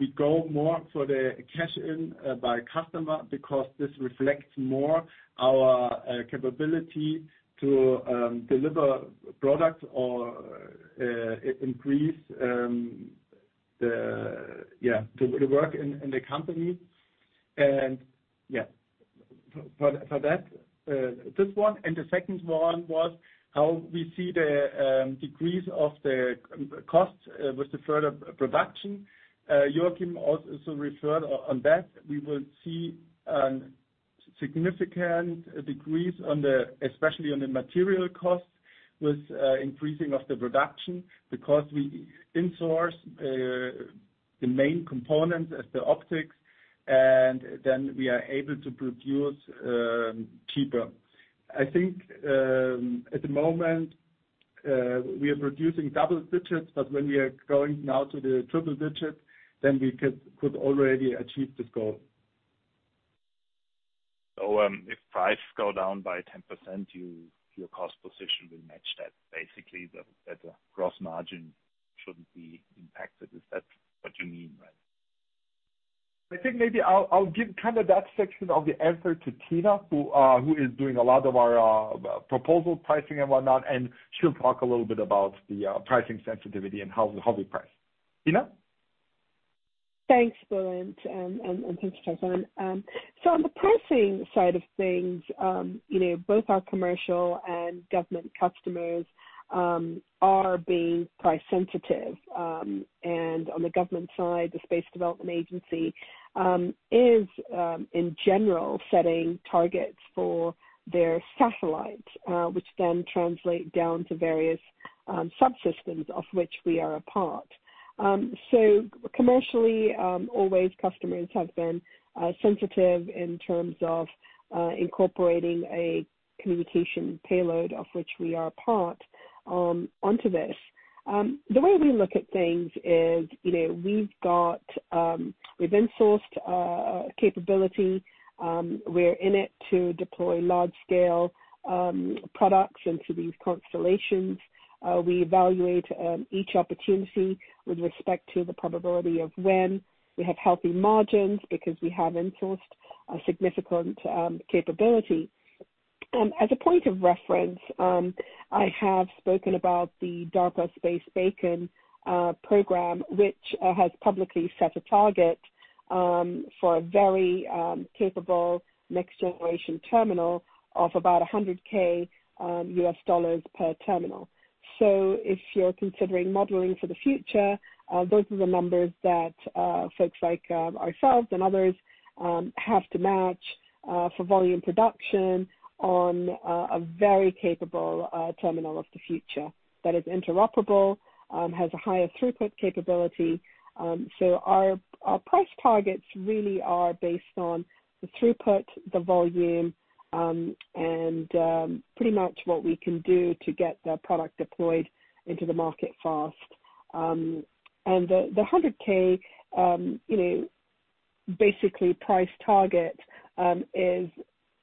We go more for the cash in by customer because this reflects more our capability to deliver product or increase the work in the company. For that, this one and the second one was how we see the decrease of the cost with the further production. Joachim also referred to that. We will see significant decrease on the, especially on the material costs with increasing of the production because we in-source the main components as the optics, and then we are able to produce cheaper. I think at the moment we are producing double digits, but when we are going now to the triple digit, then we could already achieve this goal. If price go down by 10%, you, your cost position will match that. Basically, the gross margin shouldn't be impacted. Is that what you mean? Right. I think maybe I'll give kind of that section of the answer to Tina, who is doing a lot of our proposal pricing and whatnot, and she'll talk a little bit about the pricing sensitivity and how we price. Tina. Thanks, Bulent, and thanks, Stefan. On the pricing side of things, you know, both our commercial and government customers are being price sensitive. On the government side, the Space Development Agency is in general setting targets for their satellites, which then translate down to various subsystems of which we are a part. Commercially, always customers have been sensitive in terms of incorporating a communication payload of which we are a part, onto this. The way we look at things is, you know, we've in-sourced capability. We're in it to deploy large scale products into these constellations. We evaluate each opportunity with respect to the probability of when we have healthy margins because we have in-sourced a significant capability. As a point of reference, I have spoken about the DARPA Space-BACN program, which has publicly set a target for a very capable next generation terminal of about $100,000 per terminal. If you're considering modeling for the future, those are the numbers that folks like ourselves and others have to match for volume production on a very capable terminal of the future that is interoperable, has a higher throughput capability. Our price targets really are based on the throughput, the volume, and pretty much what we can do to get the product deployed into the market fast. The $100,000 price target is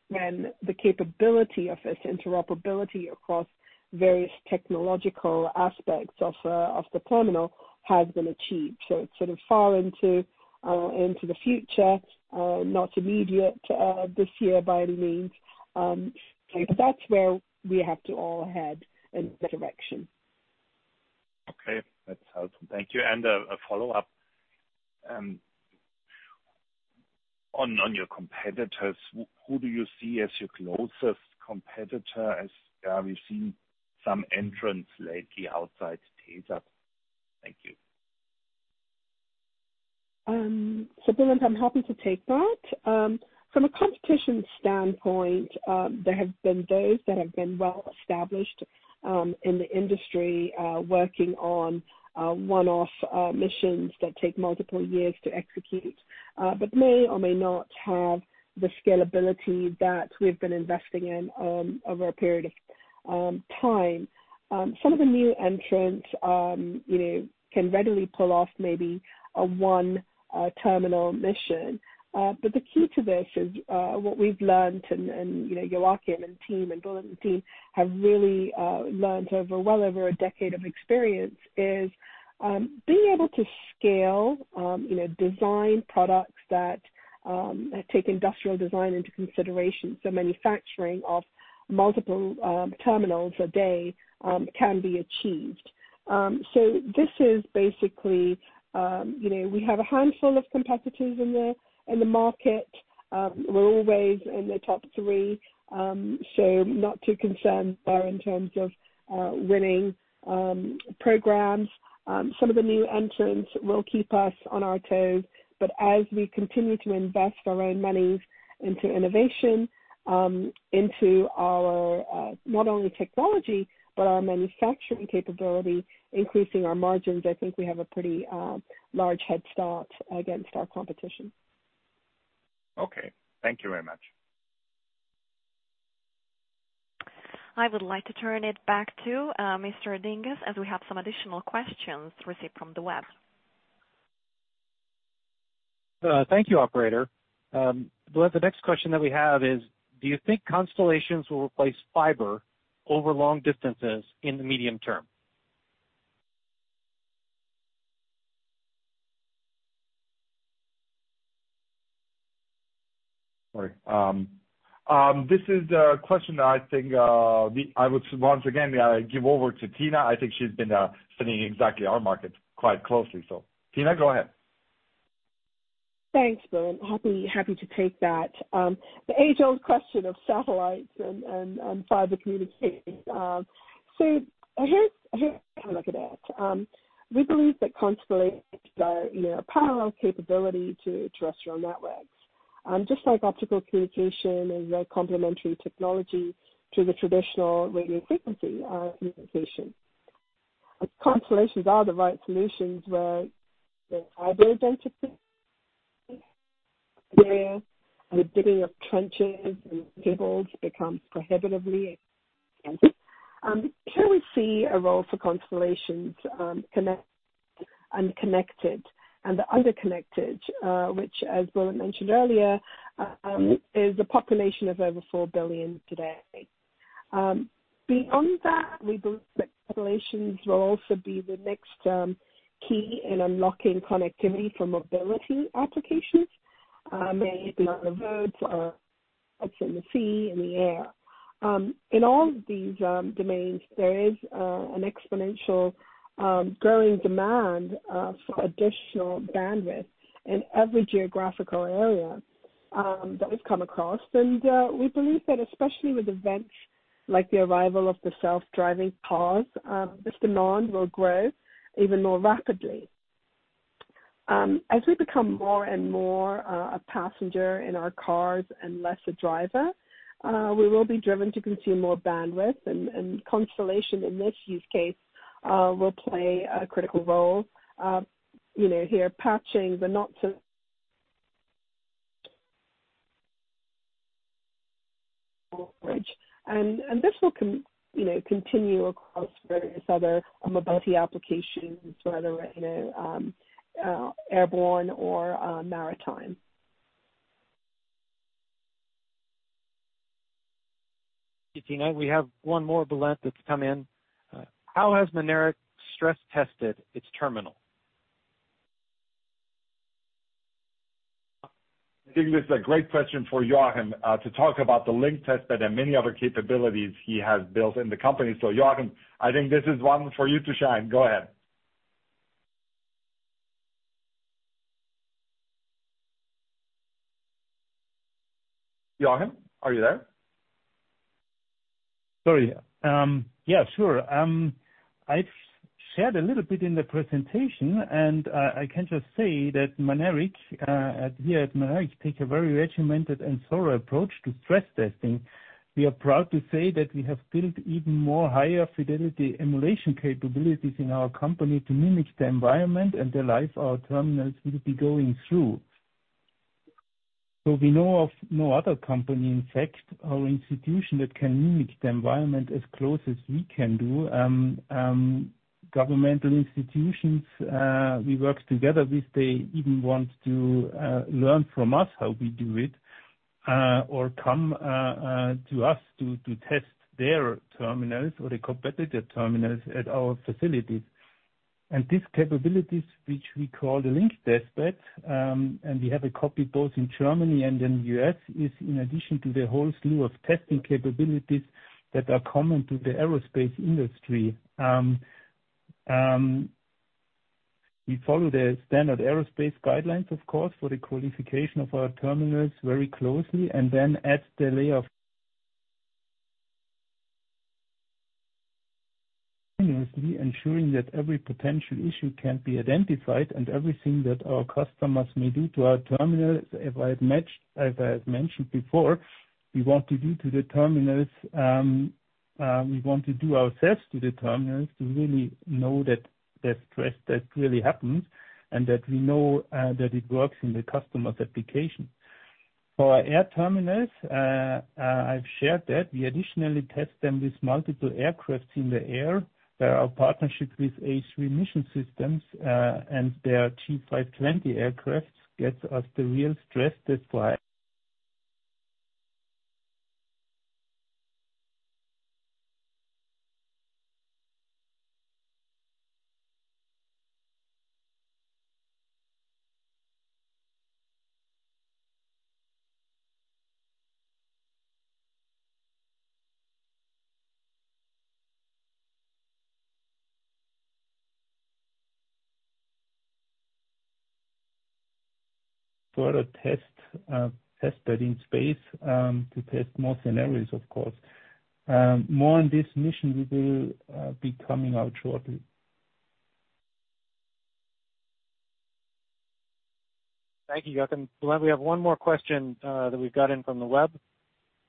when the capability of this interoperability across various technological aspects of the terminal has been achieved. It's sort of far into the future. Not immediate this year by any means. That's where we have to all head in that direction. Okay. That's helpful. Thank you. A follow-up on your competitors. Who do you see as your closest competitor, as we've seen some entrants lately, Outside Data? Thank you. Bulent, I'm happy to take that. From a competition standpoint, there have been those that have been well established in the industry working on one-off missions that take multiple years to execute, but may or may not have the scalability that we've been investing in over a period of time. Some of the new entrants, you know, can readily pull off maybe a one terminal mission. But the key to this is what we've learned and, you know, Joachim and team and Bulent and team have really learned well over a decade of experience is being able to scale, you know, design products that take industrial design into consideration. Manufacturing of multiple terminals a day can be achieved. So this is basically, you know, we have a handful of competitors in the market. We're always in the top three, so not too concerned there in terms of winning programs. Some of the new entrants will keep us on our toes. As we continue to invest our own monies into innovation, into our not only technology but our manufacturing capability, increasing our margins, I think we have a pretty large head start against our competition. Okay. Thank you very much. I would like to turn it back to Mr. Dinges as we have some additional questions received from the web. Thank you, operator. The next question that we have is, do you think constellations will replace fiber over long distances in the medium term? Sorry. This is a question that I think I would once again give over to Tina. I think she's been studying exactly our market quite closely. Tina, go ahead. Thanks, Bulent. Happy to take that. The age-old question of satellites and fiber communication. Here's how I look at it. We believe that constellations are, you know, a parallel capability to terrestrial networks. Just like optical communication is a complementary technology to the traditional radio frequency communication. Constellations are the right solutions where there are identity, where the digging of trenches and cables becomes prohibitively expensive. Here we see a role for constellations, unconnected and the underconnected, which as Bulent mentioned earlier, is a population of over 4 billion today. Beyond that, we believe that constellations will also be the next key in unlocking connectivity for mobility applications, may it be on the roads, what's in the sea, in the air. In all of these domains, there is an exponential growing demand for additional bandwidth in every geographical area that we've come across. We believe that especially with events like the arrival of the self-driving cars, this demand will grow even more rapidly. As we become more and more a passenger in our cars and less a driver, we will be driven to consume more bandwidth and constellation in this use case will play a critical role, you know, here patching the not so bridge. This will continue across various other mobility applications, whether in airborne or maritime. Thank you, Tina. We have one more, Bulent, that's come in. How has Mynaric stress-tested its terminal? I think this is a great question for Joachim, to talk about the link testbed and many other capabilities he has built in the company. Jochen, I think this is one for you to shine. Go ahead. Joachim, are you there? Sorry. Yeah, sure. I've shared a little bit in the presentation, and I can just say that Mynaric, here at Mynaric, take a very regimented and thorough approach to stress testing. We are proud to say that we have built even more higher fidelity emulation capabilities in our company to mimic the environment and the life our terminals will be going through. We know of no other company, in fact, or institution that can mimic the environment as close as we can do. Governmental institutions we work together with, they even want to learn from us how we do it, or come to us to test their terminals or the competitor terminals at our facilities. These capabilities, which we call the link testbed, and we have a copy both in Germany and in the U.S., is in addition to the whole slew of testing capabilities that are common to the aerospace industry. We follow the standard aerospace guidelines, of course, for the qualification of our terminals very closely, and then add the layer of ensuring that every potential issue can be identified and everything that our customers may do to our terminals, as I have mentioned before, we want to do ourselves to the terminals to really know that the stress test really happens and that we know that it works in the customer's application. For our air terminals, I've shared that we additionally test them with multiple aircraft in the air. Our partnership with H3 HATS and their G520 aircraft gets us the real stress test, that's why further test bed in space to test more scenarios, of course. More on this mission we will be coming out shortly. Thank you, Joachim. Bulent, we have one more question that we've got in from the web.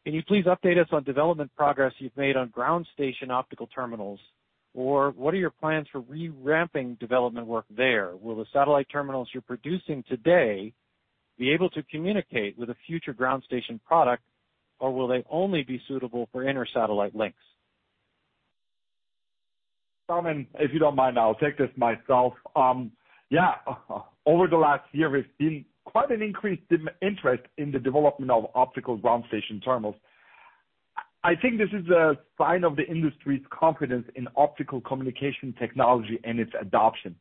Can you please update us on development progress you've made on ground station optical terminals? Or what are your plans for re-ramping development work there? Will the satellite terminals you're producing today? Be able to communicate with a future ground station product, or will they only be suitable for inter-satellite links? Simon, if you don't mind, I'll take this myself. Yeah. Over the last year, we've seen quite an increased interest in the development of optical ground station terminals. I think this is a sign of the industry's confidence in optical communication technology and its adoption.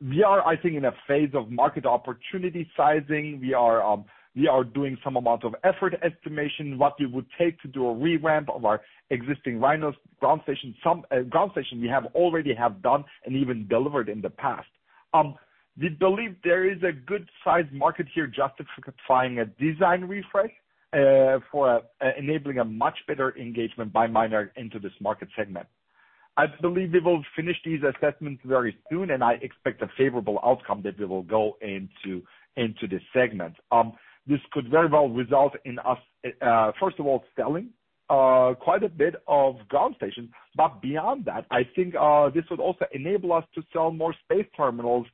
We are, I think, in a phase of market opportunity sizing. We are doing some amount of effort estimation, what it would take to do a revamp of our existing RHINO ground station. Some ground station we have already done and even delivered in the past. We believe there is a good size market here justifying a design refresh, for enabling a much better engagement by Mynaric into this market segment. I believe we will finish these assessments very soon, and I expect a favorable outcome that we will go into this segment. This could very well result in us, first of all, selling, quite a bit of ground stations. Beyond that, I think, this would also enable us to sell more space terminals,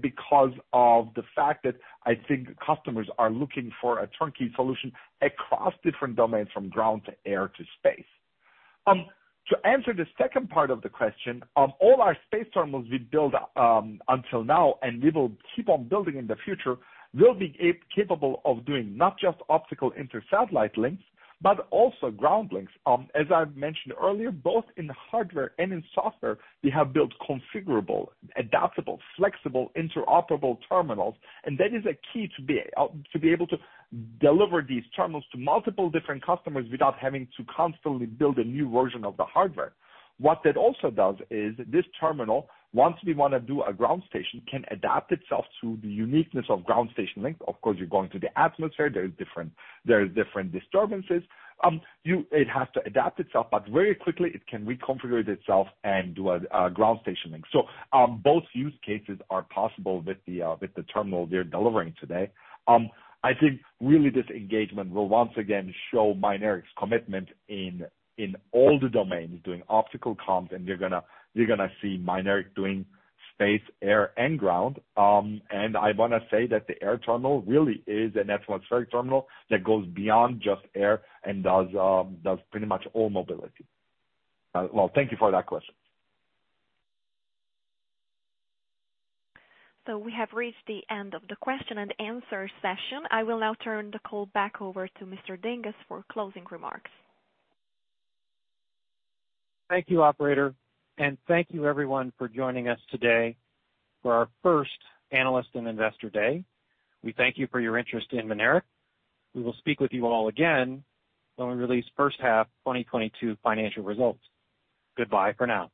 because of the fact that I think customers are looking for a turnkey solution across different domains, from ground to air to space. To answer the second part of the question, all our space terminals we build, until now and we will keep on building in the future, will be capable of doing not just optical inter-satellite links, but also ground links. As I've mentioned earlier, both in hardware and in software, we have built configurable, adaptable, flexible, interoperable terminals. That is a key to be able to deliver these terminals to multiple different customers without having to constantly build a new version of the hardware. What that also does is this terminal, once we wanna do a ground station, can adapt itself to the uniqueness of ground station link. Of course, you're going through the atmosphere. There's different disturbances. It has to adapt itself, but very quickly it can reconfigure itself and do a ground station link. Both use cases are possible with the terminal we're delivering today. I think really this engagement will once again show Mynaric's commitment in all the domains, doing optical comms, and you're gonna see Mynaric doing space, air and ground. I wanna say that the air terminal really is an atmospheric terminal that goes beyond just air and does pretty much all mobility. Well, thank you for that question. We have reached the end of the question and answer session. I will now turn the call back over to Mr. Dinges for closing remarks. Thank you, operator. Thank you everyone for joining us today for our first Analyst and Investor Day. We thank you for your interest in Mynaric. We will speak with you all again when we release first half 2022 financial results. Goodbye for now.